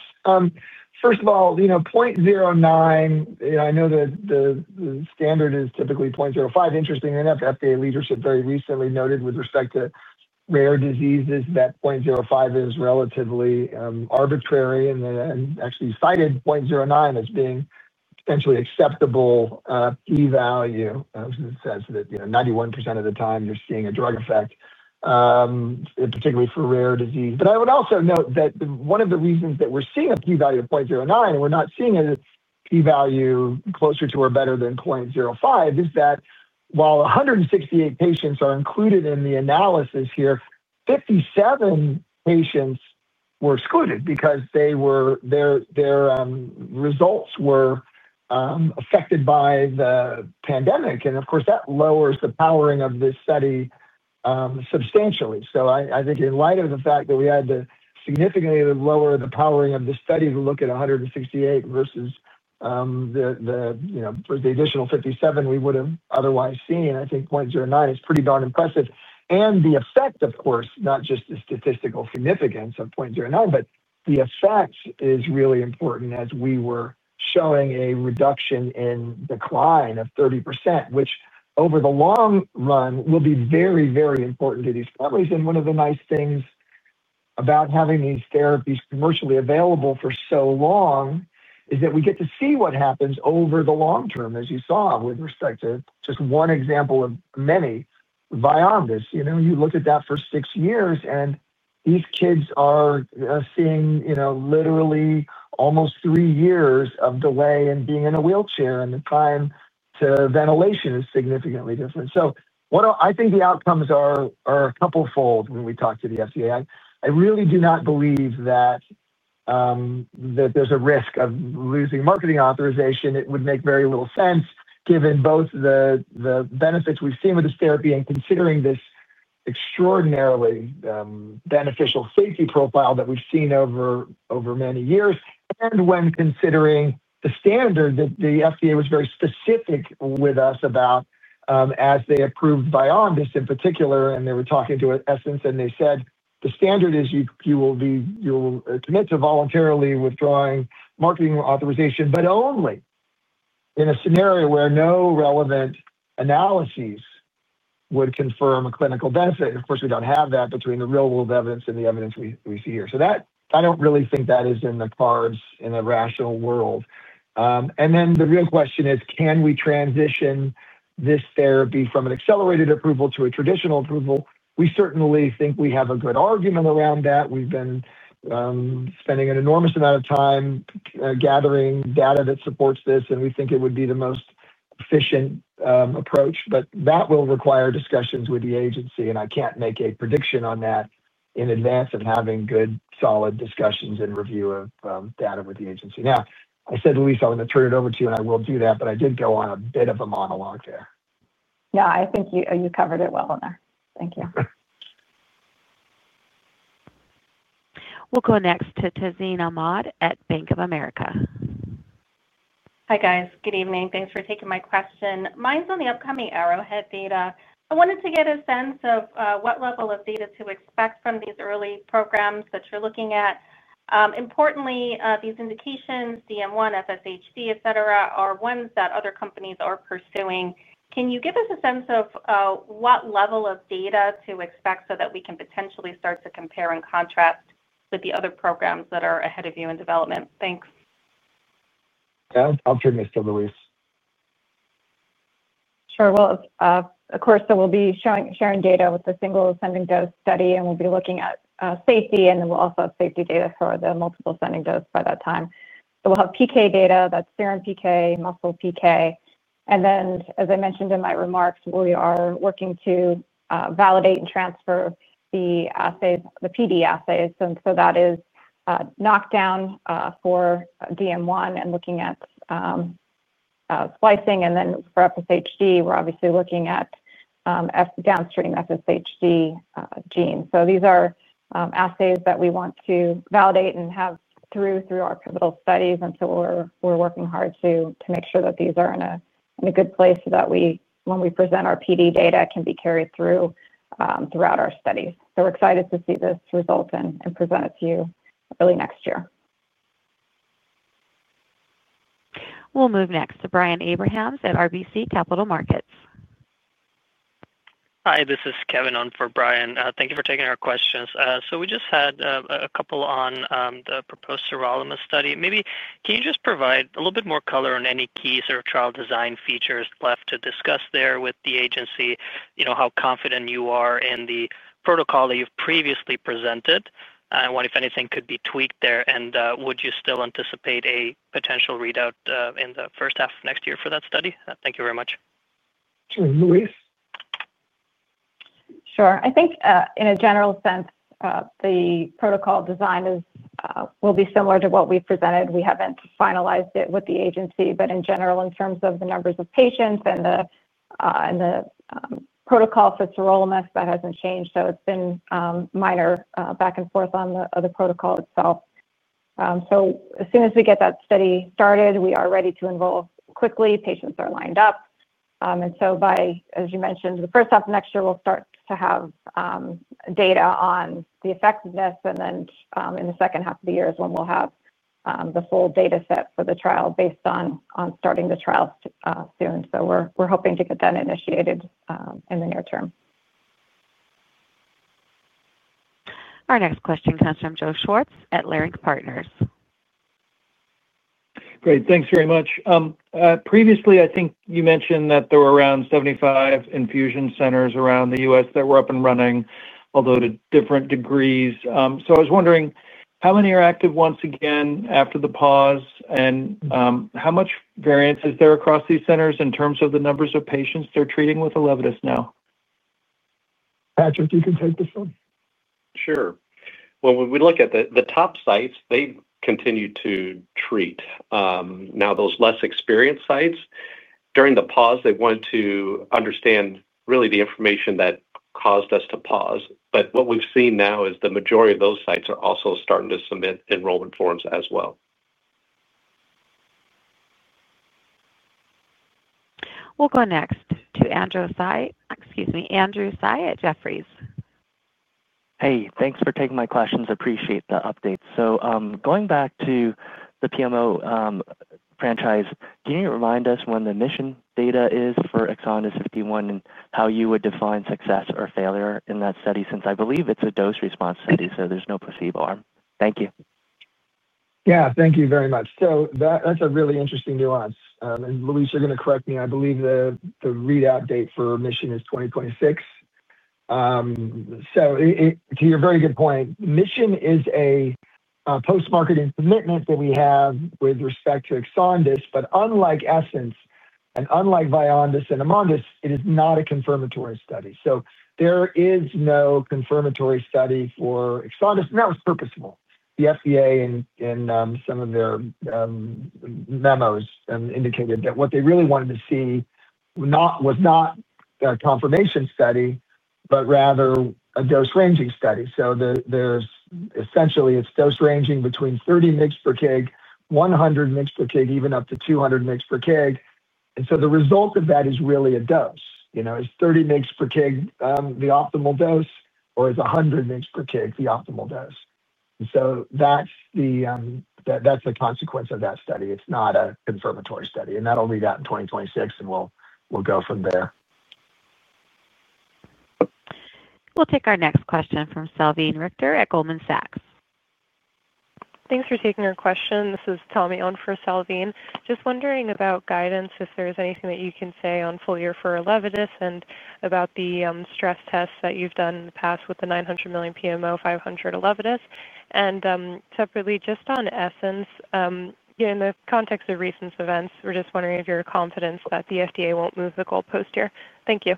First of all, 0.09, I know that the standard is typically 0.05. Interestingly enough, FDA leadership very recently noted with respect to rare diseases that 0.05 is relatively arbitrary and actually cited 0.09 as being potentially acceptable p-value, which says that 91% of the time you're seeing a drug effect. Particularly for rare disease. I would also note that one of the reasons that we're seeing a p-value of 0.09, and we're not seeing a p-value closer to or better than 0.05, is that while 168 patients are included in the analysis here, 57 patients were excluded because their results were affected by the pandemic. Of course, that lowers the powering of this study substantially. I think in light of the fact that we had to significantly lower the powering of the study to look at 168 versus the additional 57 we would have otherwise seen, I think 0.09 is pretty darn impressive. The effect, of course, not just the statistical significance of 0.09, but the effect is really important as we were showing a reduction in decline of 30%, which over the long run will be very, very important to these families. One of the nice things about having these therapies commercially available for so long is that we get to see what happens over the long-term, as you saw with respect to just one example of many. VYONDYS. You look at that for six years, and these kids are seeing literally almost three years of delay in being in a wheelchair, and the time to ventilation is significantly different. I think the outcomes are couple-fold when we talk to the FDA. I really do not believe that there's a risk of losing marketing authorization. It would make very little sense given both the benefits we've seen with this therapy and considering this extraordinarily beneficial safety profile that we've seen over many years. When considering the standard that the FDA was very specific with us about as they approved VYONDYS in particular, and they were talking to ESSENCE, and they said, "The standard is you will commit to voluntarily withdrawing marketing authorization, but only in a scenario where no relevant analyses would confirm a clinical benefit." Of course, we don't have that between the real-world evidence and the evidence we see here. I don't really think that is in the cards in a rational world. The real question is, can we transition this therapy from an accelerated approval to a traditional approval? We certainly think we have a good argument around that. We've been spending an enormous amount of time gathering data that supports this, and we think it would be the most efficient approach. That will require discussions with the agency, and I can't make a prediction on that in advance of having good, solid discussions and review of data with the agency. Now, I said, Louise, I'm going to turn it over to you, and I will do that, but I did go on a bit of a monologue there. Yeah, I think you covered it well in there. Thank you. We'll go next to Tazeen Ahmad at Bank of America. Hi, guys. Good evening. Thanks for taking my question. Mine's on the upcoming Arrowhead data. I wanted to get a sense of what level of data to expect from these early programs that you're looking at. Importantly, these indications, DM1, FSHD, etc., are ones that other companies are pursuing. Can you give us a sense of what level of data to expect so that we can potentially start to compare and contrast with the other programs that are ahead of you in development? Thanks. Yeah, I'll turn this to Louise. Sure. Of course, we'll be sharing data with the single ascending dose study, and we'll be looking at safety, and then we'll also have safety data for the multiple ascending dose by that time. We'll have PK data, that's serum PK, muscle PK. As I mentioned in my remarks, we are working to validate and transfer the PD assays. That is knockdown for DM1 and looking at splicing. For FSHD, we're obviously looking at downstream FSHD genes. These are assays that we want to validate and have through our pivotal studies. We're working hard to make sure that these are in a good place so that when we present our PD data, it can be carried through throughout our studies. We're excited to see this result and present it to you early next year. We'll move next to Brian Abrahams at RBC Capital Markets. Hi, this is Kevin on for Brian. Thank you for taking our questions. So we just had a couple on the proposed sirolimus study. Maybe can you just provide a little bit more color on any key sort of trial design features left to discuss there with the agency, how confident you are in the protocol that you've previously presented? I wonder if anything could be tweaked there, and would you still anticipate a potential readout in the first half of next year for that study? Thank you very much. Sure. Louise. Sure. I think in a general sense, the protocol design will be similar to what we've presented. We haven't finalized it with the agency, but in general, in terms of the numbers of patients and the protocol for sirolimus, that hasn't changed. It's been minor back and forth on the protocol itself. As soon as we get that study started, we are ready to enroll quickly. Patients are lined up. By, as you mentioned, the first half of next year, we'll start to have data on the effectiveness, and then in the second half of the year is when we'll have the full data set for the trial based on starting the trial soon. We're hoping to get that initiated in the near-term. Our next question comes from Joe Schwartz at Leerink Partners. Great. Thanks very much. Previously, I think you mentioned that there were around 75 infusion centers around the U.S. that were up and running, although to different degrees. I was wondering how many are active once again after the pause, and how much variance is there across these centers in terms of the numbers of patients they're treating with ELEVIDYS now? Patrick, you can take this one. Sure. When we look at the top sites, they've continued to treat. Now, those less experienced sites, during the pause, they wanted to understand really the information that caused us to pause. What we've seen now is the majority of those sites are also starting to submit enrollment forms as well. We'll go next to Andrew Tsai at Jefferies. Hey, thanks for taking my questions. Appreciate the update. Going back to the PMO franchise, can you remind us when the MISSION data is for EXONDYS 51 and how you would define success or failure in that study? Since I believe it is a dose response study, there is no placebo. Thank you. Yeah, thank you very much. That is a really interesting nuance. Louise, you are going to correct me. I believe the readout date for MISSION is 2026. To your very good point, MISSION is a post-marketing commitment that we have with respect to EXONDYS, but unlike ESSENCE and unlike VYONDYS and AMONDYS, it is not a confirmatory study. There is no confirmatory study for EXONDYS, and that was purposeful. The FDA, in some of their memos, indicated that what they really wanted to see was not a confirmatory study, but rather a dose-ranging study. Essentially, it is dose-ranging between 30 mg per kg, 100 mg per kg, even up to 200 mg per kg. The result of that is really a dose. Is 30 mg per kg the optimal dose, or is 100 mg per kg the optimal dose? That is the consequence of that study. It is not a confirmatory study. That will read out in 2026, and we will go from there. We'll take our next question from Salveen Richter at Goldman Sachs. Thanks for taking our question. This is Tommie on for Salveen. Just wondering about guidance, if there's anything that you can say on full year for ELEVIDYS and about the stress tests that you've done in the past with the $900 million PMO, $500 million ELEVIDYS. Separately, just on ESSENCE. In the context of recent events, we're just wondering if you're confident that the FDA won't move the goalpost here. Thank you.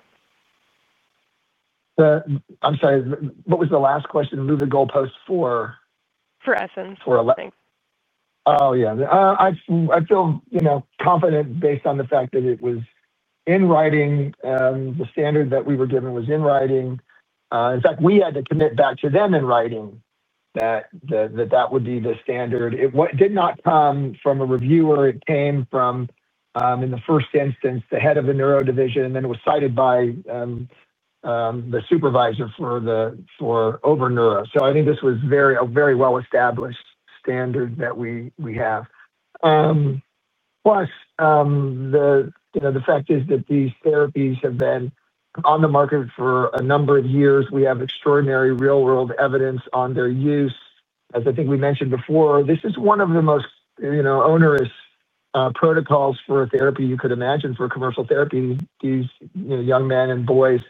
I'm sorry. What was the last question? Move the goalpost for? For ESSENCE. Oh, yeah. I feel confident based on the fact that it was in writing. The standard that we were given was in writing. In fact, we had to commit back to them in writing that that would be the standard. It did not come from a reviewer. It came from, in the first instance, the head of the neuro division, and then it was cited by the supervisor for [overneuro]. I think this was a very well-established standard that we have. Plus, the fact is that these therapies have been on the market for a number of years. We have extraordinary real-world evidence on their use. As I think we mentioned before, this is one of the most onerous protocols for a therapy you could imagine for commercial therapy. These young men and boys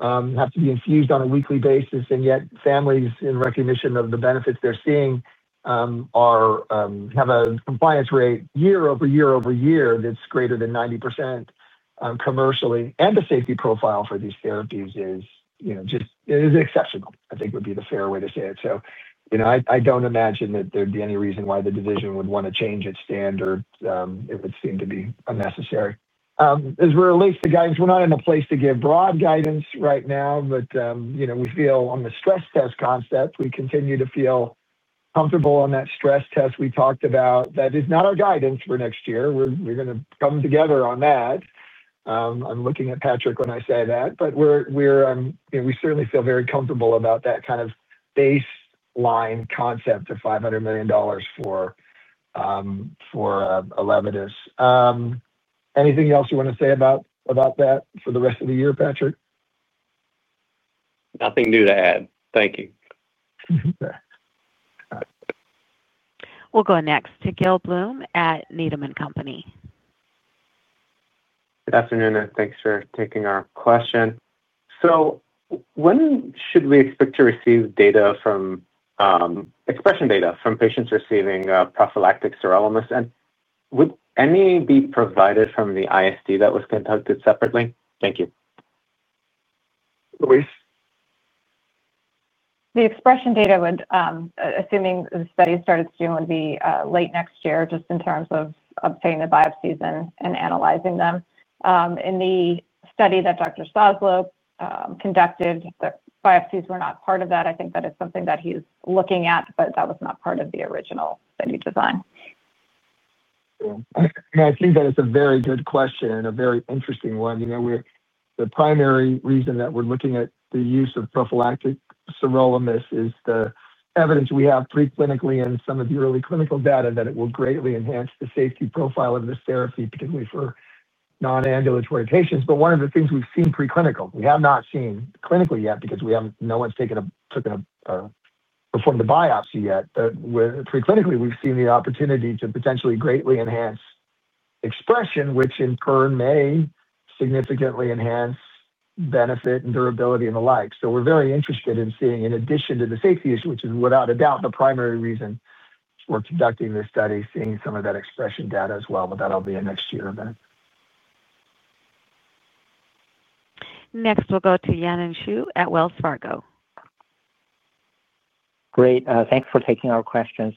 have to be infused on a weekly basis, and yet families, in recognition of the benefits they're seeing, have a compliance rate year over year over year that's greater than 90% commercially. The safety profile for these therapies is just exceptional, I think would be the fair way to say it. I don't imagine that there'd be any reason why the division would want to change its standard. It would seem to be unnecessary. As for at least the guidance, we're not in a place to give broad guidance right now, but we feel on the stress test concept, we continue to feel comfortable on that stress test we talked about. That is not our guidance for next year. We're going to come together on that. I'm looking at Patrick when I say that. We certainly feel very comfortable about that kind of baseline concept of $500 million for ELEVIDYS. Anything else you want to say about that for the rest of the year, Patrick? Nothing new to add. Thank you. We'll go next to Gil Blum at Needham & Company. Good afternoon. Thanks for taking our question. When should we expect to receive data from expression data from patients receiving prophylactic sirolimus? Would any be provided from the ISD that was conducted separately? Thank you. Louise. The expression data, assuming the study started soon, would be late next year, just in terms of obtaining the biopsies and analyzing them. In the study that Dr. Soslow conducted, the biopsies were not part of that. I think that is something that he's looking at, but that was not part of the original study design. I think that is a very good question and a very interesting one. The primary reason that we're looking at the use of prophylactic sirolimus is the evidence we have preclinically and some of the early clinical data that it will greatly enhance the safety profile of this therapy, particularly for non-ambulatory patients. One of the things we've seen preclinical, we have not seen clinically yet because no one's taken, performed a biopsy yet. Preclinically, we've seen the opportunity to potentially greatly enhance expression, which in turn may significantly enhance benefit and durability and the like. We are very interested in seeing, in addition to the safety issue, which is without a doubt the primary reason for conducting this study, seeing some of that expression data as well. That'll be a next year event. Next, we'll go to Yanan Zhu at Wells Fargo. Great. Thanks for taking our questions.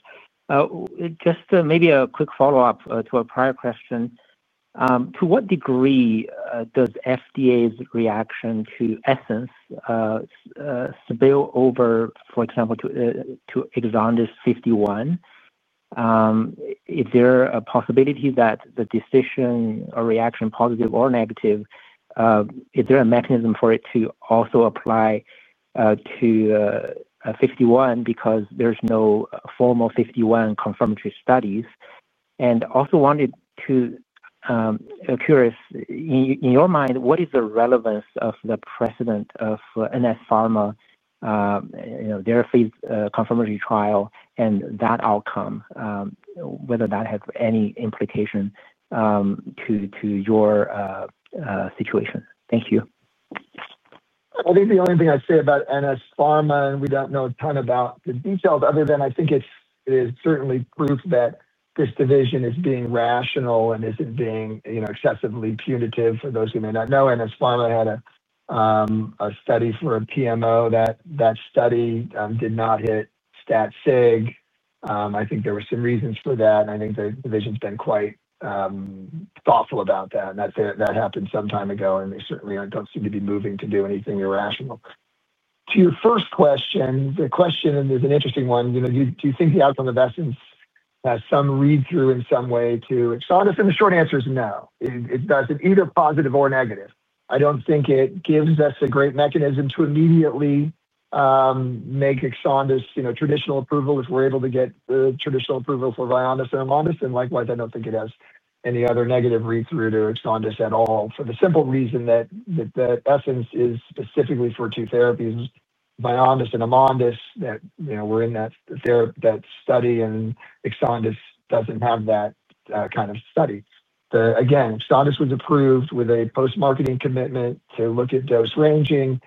Just maybe a quick follow-up to a prior question. To what degree does FDA's reaction to ESSENCE spill over, for example, to EXONDYS 51? Is there a possibility that the decision or reaction, positive or negative, is there a mechanism for it to also apply to 51 because there's no formal 51 confirmatory studies? Also wanted to be curious, in your mind, what is the relevance of the precedent of NS Pharma, their confirmatory trial and that outcome, whether that has any implication to your situation? Thank you. I think the only thing I'd say about NS Pharma, and we don't know a ton about the details other than I think it is certainly proof that this division is being rational and isn't being excessively punitive. For those who may not know, NS Pharma had a study for a PMO. That study did not hit stat sig. I think there were some reasons for that. I think the division's been quite thoughtful about that. That happened some time ago, and they certainly don't seem to be moving to do anything irrational. To your first question, the question is an interesting one. Do you think the outcome of ESSENCE has some read-through in some way to EXONDYS? The short answer is no. It doesn't, either positive or negative. I don't think it gives us a great mechanism to immediately make EXONDYS traditional approval if we're able to get traditional approval for VYONDYS and AMONDYS. Likewise, I don't think it has any other negative read-through to EXONDYS at all for the simple reason that ESSENCE is specifically for two therapies, VYONDYS and AMONDYS, that were in that study, and EXONDYS doesn't have that kind of study. Again, EXONDYS was approved with a post-marketing commitment to look at dose ranging.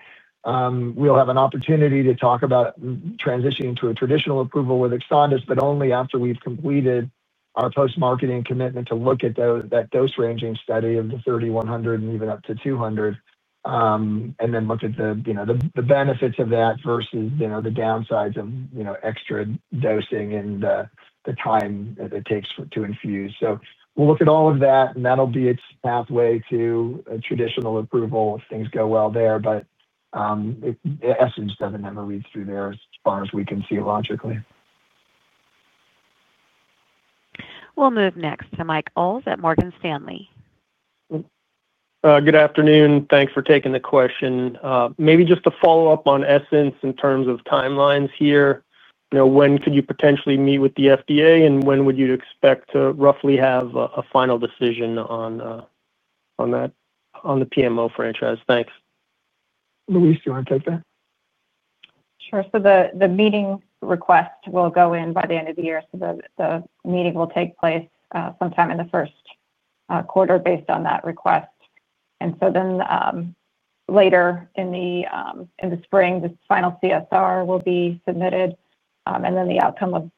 We'll have an opportunity to talk about transitioning to a traditional approval with EXONDYS, but only after we've completed our post-marketing commitment to look at that dose-ranging study of the [3,100] and even up to 200. Then look at the benefits of that versus the downsides of extra dosing and the time that it takes to infuse. We'll look at all of that, and that'll be its pathway to a traditional approval if things go well there. ESSENCE doesn't have a read-through there as far as we can see logically. We'll move next to Mike Oles at Morgan Stanley. Good afternoon. Thanks for taking the question. Maybe just to follow up on ESSENCE in terms of timelines here. When could you potentially meet with the FDA, and when would you expect to roughly have a final decision on that on the PMO franchise? Thanks. Louise, do you want to take that? Sure. So the meeting request will go in by the end of the year. The meeting will take place sometime in the first quarter based on that request. Later in the spring, the final CSR will be submitted. The outcome of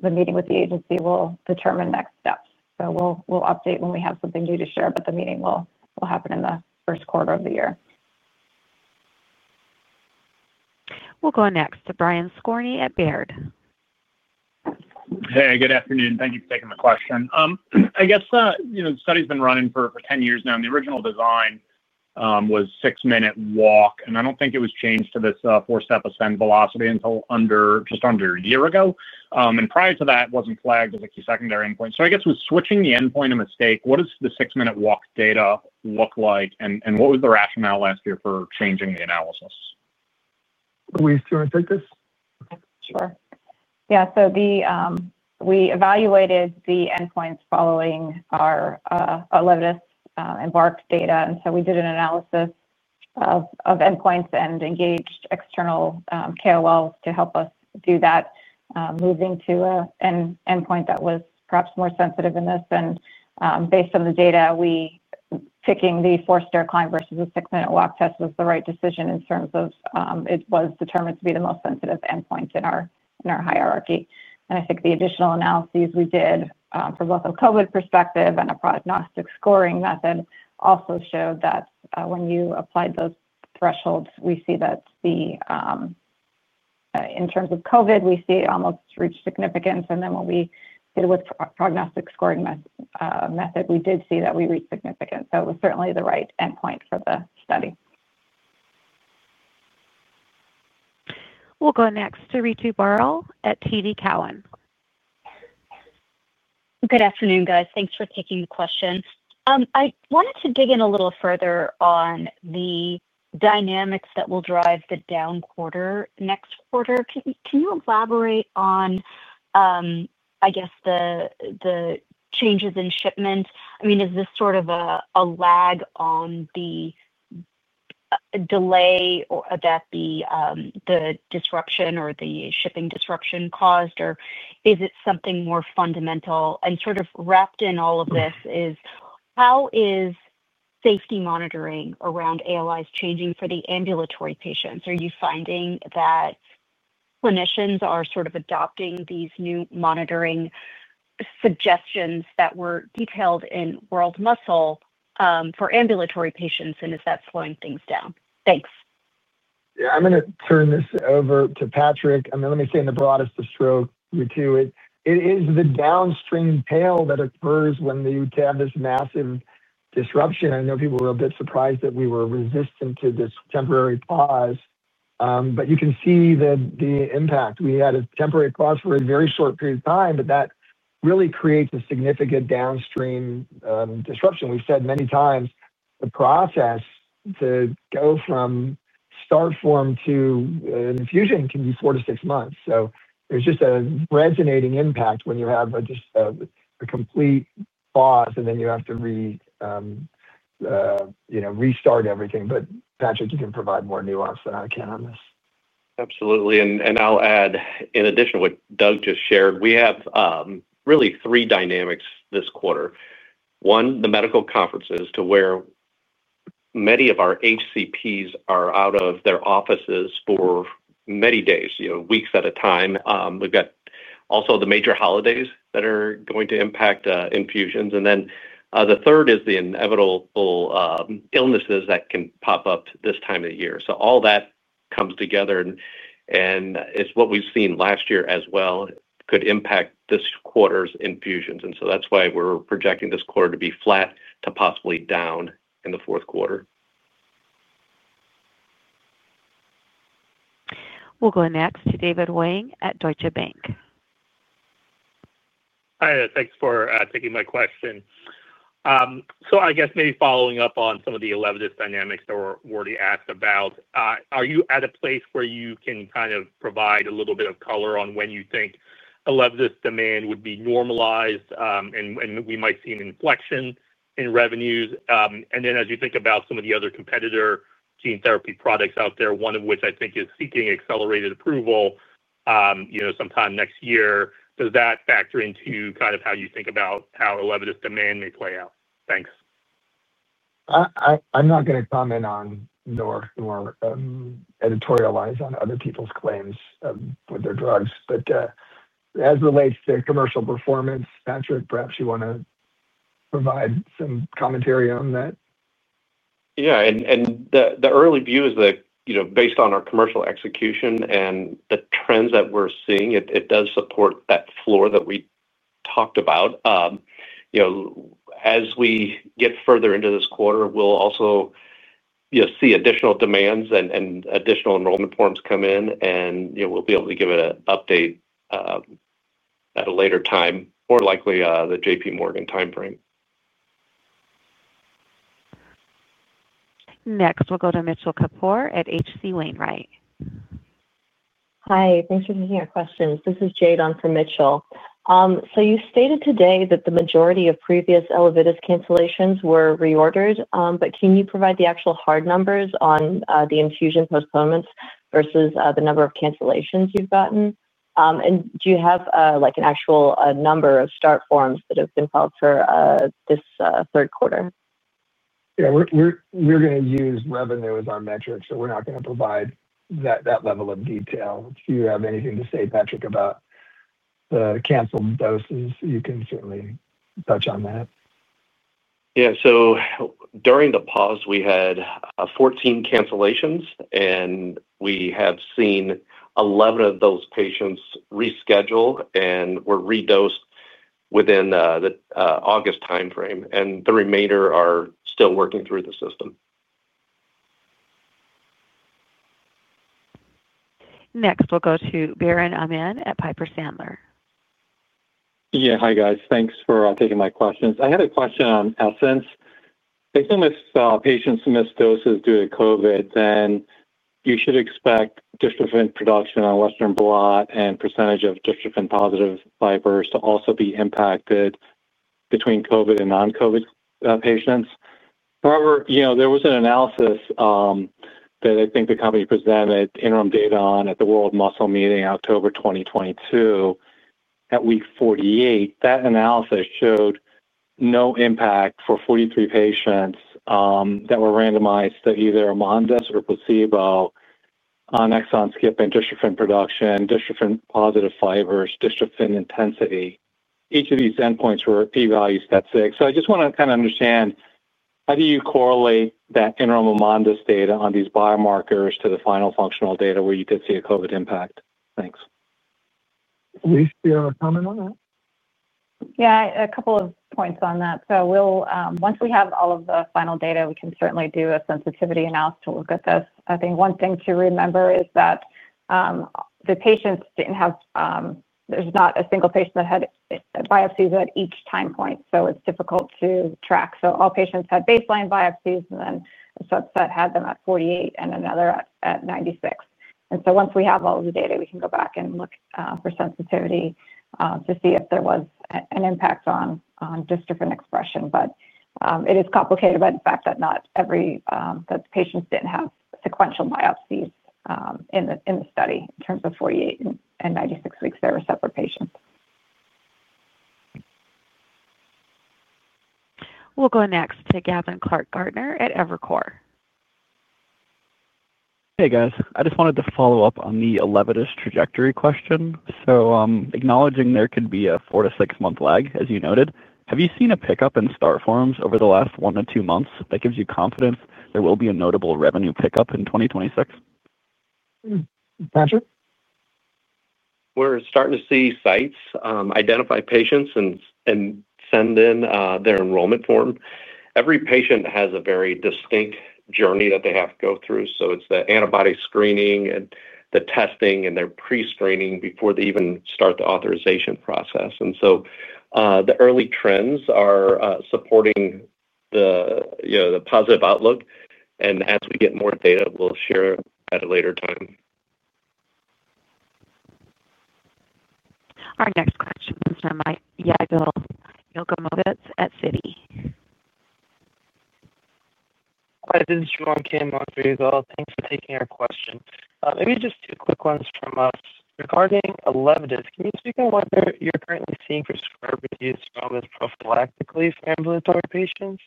the meeting with the agency will determine next steps. We'll update when we have something new to share, but the meeting will happen in the first quarter of the year. We'll go next to Brian Skorney at Baird. Hey, good afternoon. Thank you for taking the question. I guess the study's been running for 10 years now. The original design was six-minute walk. I don't think it was changed to this four-step ascend velocity until just under a year ago. Prior to that, it wasn't flagged as a key secondary endpoint. I guess with switching the endpoint a mistake, what does the six-minute walk data look like, and what was the rationale last year for changing the analysis? Louise, do you want to take this? Sure. Yeah. So. We evaluated the endpoints following our ELEVIDYS EMBARK data. And so we did an analysis of endpoints and engaged external KOLs to help us do that. Moving to an endpoint that was perhaps more sensitive in this. And based on the data. Picking the four-step climb versus the six-minute walk test was the right decision in terms of it was determined to be the most sensitive endpoint in our hierarchy. I think the additional analyses we did from both a COVID perspective and a prognostic scoring method also showed that when you applied those thresholds, we see that the, in terms of COVID, we see almost reached significance. Then when we did it with prognostic scoring method, we did see that we reached significance. So it was certainly the right endpoint for the study. We'll go next to Ritu Baral at TD Cowen. Good afternoon, guys. Thanks for taking the question. I wanted to dig in a little further on the dynamics that will drive the down quarter next quarter. Can you elaborate on, I guess, the changes in shipment? I mean, is this sort of a lag on the delay that the disruption or the shipping disruption caused, or is it something more fundamental? And sort of wrapped in all of this is how is safety monitoring around ALIs changing for the ambulatory patients? Are you finding that clinicians are sort of adopting these new monitoring suggestions that were detailed in World Muscle for ambulatory patients, and is that slowing things down? Thanks. Yeah. I'm going to turn this over to Patrick. I mean, let me say in the broadest of strokes, too, it is the downstream tail that occurs when you have this massive disruption. I know people were a bit surprised that we were resistant to this temporary pause. You can see the impact. We had a temporary pause for a very short period of time, but that really creates a significant downstream disruption. We've said many times the process to go from start form to infusion can be four to six months. There is just a resonating impact when you have a complete pause, and then you have to restart everything. Patrick, you can provide more nuance than I can on this. Absolutely. I'll add, in addition to what Doug just shared, we have really three dynamics this quarter. One, the medical conferences to where many of our HCPs are out of their offices for many days, weeks at a time. We've got also the major holidays that are going to impact infusions. The third is the inevitable illnesses that can pop up this time of the year. All that comes together, and it's what we've seen last year as well, could impact this quarter's infusions. That's why we're projecting this quarter to be flat to possibly down in the fourth quarter. We'll go next to David Hoang at Deutsche Bank. Hi. Thanks for taking my question. I guess maybe following up on some of the ELEVIDYS dynamics that were already asked about, are you at a place where you can kind of provide a little bit of color on when you think ELEVIDYS demand would be normalized and we might see an inflection in revenues? As you think about some of the other competitor gene therapy products out there, one of which I think is seeking accelerated approval sometime next year, does that factor into kind of how you think about how ELEVIDYS demand may play out? Thanks. I'm not going to comment on or editorialize on other people's claims with their drugs. As it relates to commercial performance, Patrick, perhaps you want to provide some commentary on that? Yeah. The early view is that based on our commercial execution and the trends that we're seeing, it does support that floor that we talked about. As we get further into this quarter, we'll also see additional demands and additional enrollment forms come in, and we'll be able to give an update at a later time, more likely the JPMorgan time frame. Next, we'll go to Mitchell Kapoor at H.C. Wainwright. Hi. Thanks for taking our questions. This is Jade on for Mitchell. You stated today that the majority of previous ELEVIDYS cancellations were reordered, but can you provide the actual hard numbers on the infusion postponements versus the number of cancellations you've gotten? Do you have an actual number of start forms that have been filed for this third quarter? Yeah. We're going to use revenue as our metric, so we're not going to provide that level of detail. If you have anything to say, Patrick, about the canceled doses, you can certainly touch on that. Yeah. During the pause, we had 14 cancellations, and we have seen 11 of those patients reschedule and were redosed within the August time frame. The remainder are still working through the system. Next, we'll go to Biren Amin at Piper Sandler. Yeah. Hi, guys. Thanks for taking my questions. I had a question on ESSENCE. If some patients miss doses due to COVID, then you should expect dystrophin production on Western blot and percentage of dystrophin-positive fibers to also be impacted between COVID and non-COVID patients. However, there was an analysis that I think the company presented interim data on at the World Muscle meeting in October 2022 at week 48. That analysis showed no impact for 43 patients that were randomized to either AMONDYS or placebo on exon skip and dystrophin production, dystrophin-positive fibers, dystrophin intensity. Each of these endpoints were p-value stat SIG. I just want to kind of understand how do you correlate that interim AMONDYS data on these biomarkers to the final functional data where you did see a COVID impact? Thanks. Louise, do you want to comment on that? Yeah. A couple of points on that. Once we have all of the final data, we can certainly do a sensitivity analysis to look at this. I think one thing to remember is that the patients did not have—there is not a single patient that had biopsies at each time point, so it is difficult to track. All patients had baseline biopsies, and then a subset had them at 48 and another at 96. Once we have all of the data, we can go back and look for sensitivity to see if there was an impact on dystrophin expression. It is complicated by the fact that not every patient had sequential biopsies in the study in terms of 48 and 96 weeks. They were separate patients. We'll go next to Gavin Clark-Gartner at Evercore. Hey, guys. I just wanted to follow up on the ELEVIDYS trajectory question. Acknowledging there could be a four- to six-month lag, as you noted, have you seen a pickup in start forms over the last one to two months that gives you confidence there will be a notable revenue pickup in 2026? Patrick? We're starting to see sites identify patients and send in their enrollment form. Every patient has a very distinct journey that they have to go through. It is the antibody screening and the testing and their pre-screening before they even start the authorization process. The early trends are supporting the positive outlook. As we get more data, we'll share at a later time. Our next question is from [AUDIO DISTORTION] at Citi. Hi. This is. [AUDIO DISTORTION] Thanks for taking our question. Maybe just two quick ones from us. Regarding ELEVIDYS, can you speak on what you're currently seeing for scar-reduced thrombus prophylactically for ambulatory patients?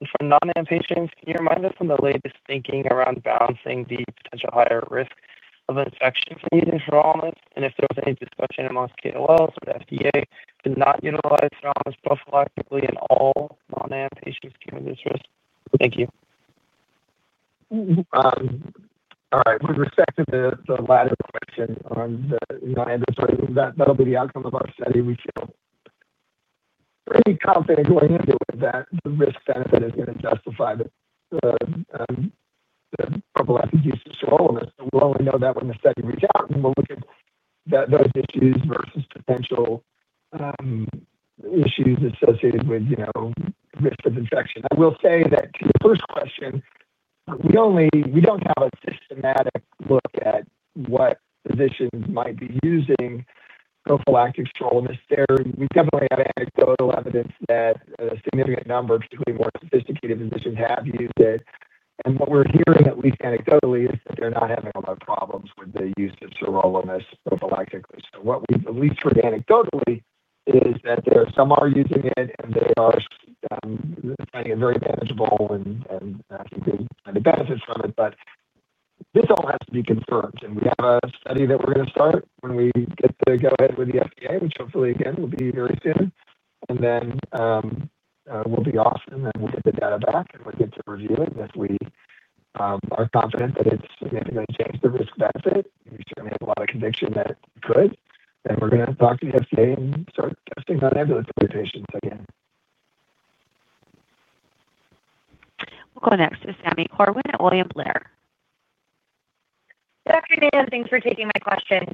For non-ambulatory patients, can you remind us of the latest thinking around balancing the potential higher risk of infection for these thrombus? If there was any discussion amongst KOLs or the FDA to not utilize thrombus prophylactically in all non-ambulatory patients given this risk? Thank you. [AUDIO DISTORTION] All right. With respect to the latter question on the non-GAAP, that'll be the outcome of our study. We feel pretty confident going into it that the risk-benefit is going to justify the prophylactic use of scar elements. We will only know that when the study reaches out, and we will look at those issues versus potential issues associated with risk of infection. I will say that to your first question, we do not have a systematic look at what physicians might be using prophylactic scar elements. We definitely have anecdotal evidence that a significant number of more sophisticated physicians have used it. What we are hearing, at least anecdotally, is that they are not having a lot of problems with the use of scar elements prophylactically. What we have at least heard anecdotally is that some are using it, and they are finding it very manageable and can benefit from it. This all has to be confirmed. We have a study that we are going to start when we get the go-ahead with the FDA, which hopefully, again, will be very soon. We will be awesome, and we will get the data back, and we will get to review it. If we are confident that it is going to change the risk-benefit, we certainly have a lot of conviction that it could, then we are going to talk to the FDA and start testing on ambulatory patients again. We'll go next to Sami Corwin at William Blair. Good afternoon. Thanks for taking my questions.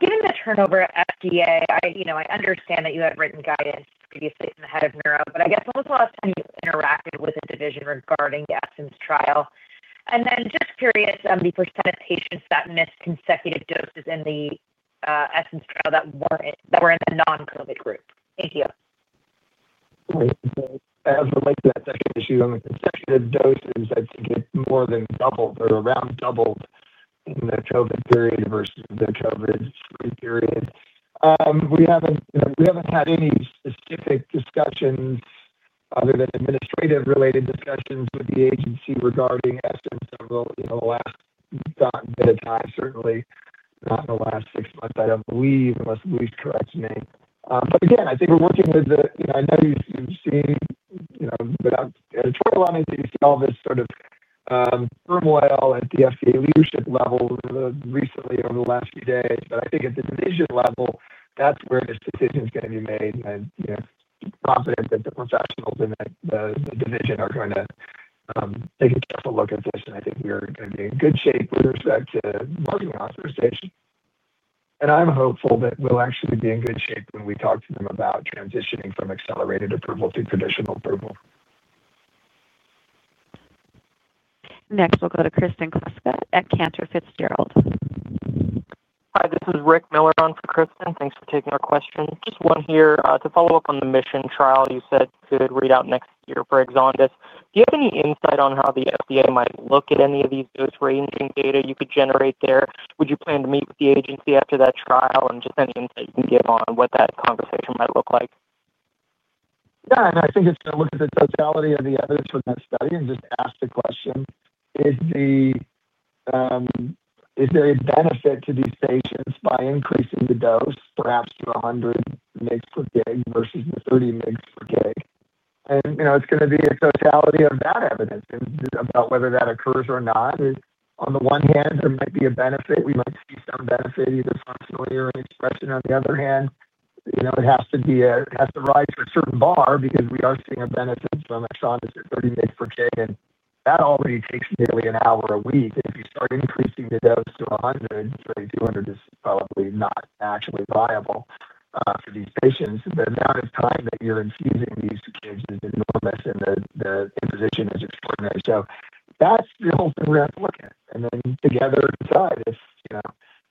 Given the turnover at FDA, I understand that you had written guidance previously from the head of neuro, but I guess when was the last time you interacted with a division regarding the ESSENCE trial? Just curious on the percent of patients that missed consecutive doses in the ESSENCE trial that were in the non-COVID group. Thank you. Great. As it relates to that second issue on the consecutive doses, I think it more than doubled or around doubled in the COVID period versus the COVID-3 period. We have not had any specific discussions other than administrative-related discussions with the agency regarding ESSENCE over the last bit of time, certainly not in the last six months, I do not believe, unless Louise corrects me. Again, I think we are working with the—I know you have seen the editorial on it, that you saw this sort of turmoil at the FDA leadership level recently over the last few days. I think at the division level, that is where this decision is going to be made. I am confident that the professionals in the division are going to take a careful look at this. I think we are going to be in good shape with respect to marketing authorization. I am hopeful that we will actually be in good shape when we talk to them about transitioning from accelerated approval to traditional approval. Next, we'll go to Kristen Kluska at Cantor Fitzgerald. Hi. This is Rick Miller on for Kristen. Thanks for taking our questions. Just one here to follow up on the MISSION trial you said could read out next year for EXONDYS. Do you have any insight on how the FDA might look at any of these dose-ranging data you could generate there? Would you plan to meet with the agency after that trial and just any insight you can give on what that conversation might look like? Yeah. I think it's going to look at the totality of the evidence from that study and just ask the question, "Is there a benefit to these patients by increasing the dose, perhaps to 100 mg per kg versus the 30 mg per kg?" It's going to be a totality of that evidence about whether that occurs or not. On the one hand, there might be a benefit. We might see some benefit, either functional or expression. On the other hand, it has to rise to a certain bar because we are seeing a benefit from EXONDYS at 30 mg per kg. That already takes nearly an hour a week. If you start increasing the dose to 100, 200 is probably not actually viable for these patients. The amount of time that you're infusing these kids is enormous, and the imposition is extraordinary. That's the whole thing we're going to look at. Then together decide. I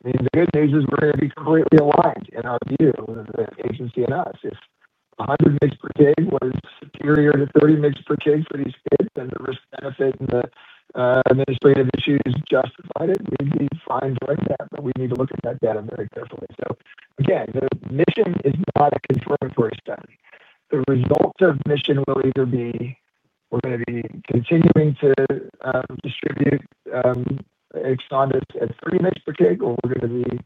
mean, the good news is we're going to be completely aligned in our view of the agency and us. If 100 mg per kg was superior to 30 mg per kg for these kids, and the risk-benefit and the administrative issues justified it, we'd be fine doing that. We need to look at that data very carefully. Again, the MISSION is not a confirmatory study. The results of MISSION will either be we're going to be continuing to distribute EXONDYS at 30 mg per kg, or we're going to be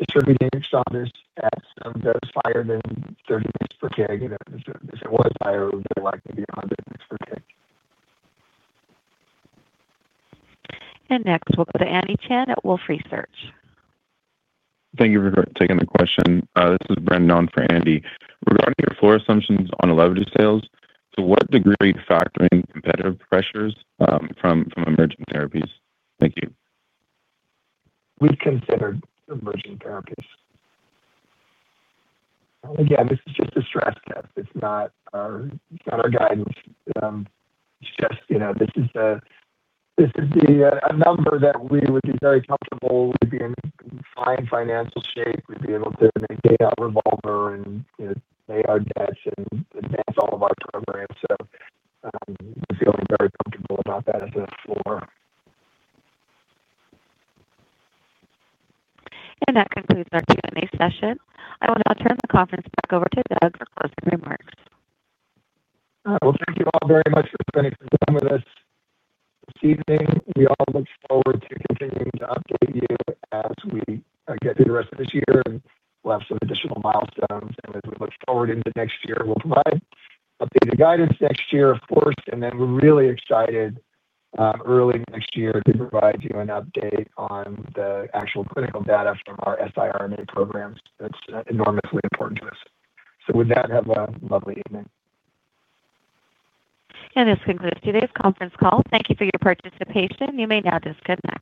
distributing EXONDYS at some dose higher than 30 mg per kg. If it was higher, we'd be likely to be 100 mg per kg. Next, we will go to Andy Chen at Wolfe Research. Thank you for taking the question. This is Brandon on for Andy. Regarding your floor assumptions on ELEVIDYS sales, to what degree are you factoring competitive pressures from emerging therapies? Thank you. We've considered emerging therapies. Again, this is just a stress test. It's not our guidance. It's just this is a number that we would be very comfortable with being fine financial shape. We'd be able to make a revolver and pay our debts and advance all of our programs. We feel very comfortable about that as a floor. That concludes our Q&A session. I will now turn the conference back over to Doug for closing remarks. Thank you all very much for spending some time with us this evening. We all look forward to continuing to update you as we get through the rest of this year and we'll have some additional milestones. As we look forward into next year, we'll provide updated guidance next year, of course. We are really excited early next year to provide you an update on the actual clinical data from our siRNA programs. That's enormously important to us. With that, have a lovely evening. This concludes today's conference call. Thank you for your participation. You may now disconnect.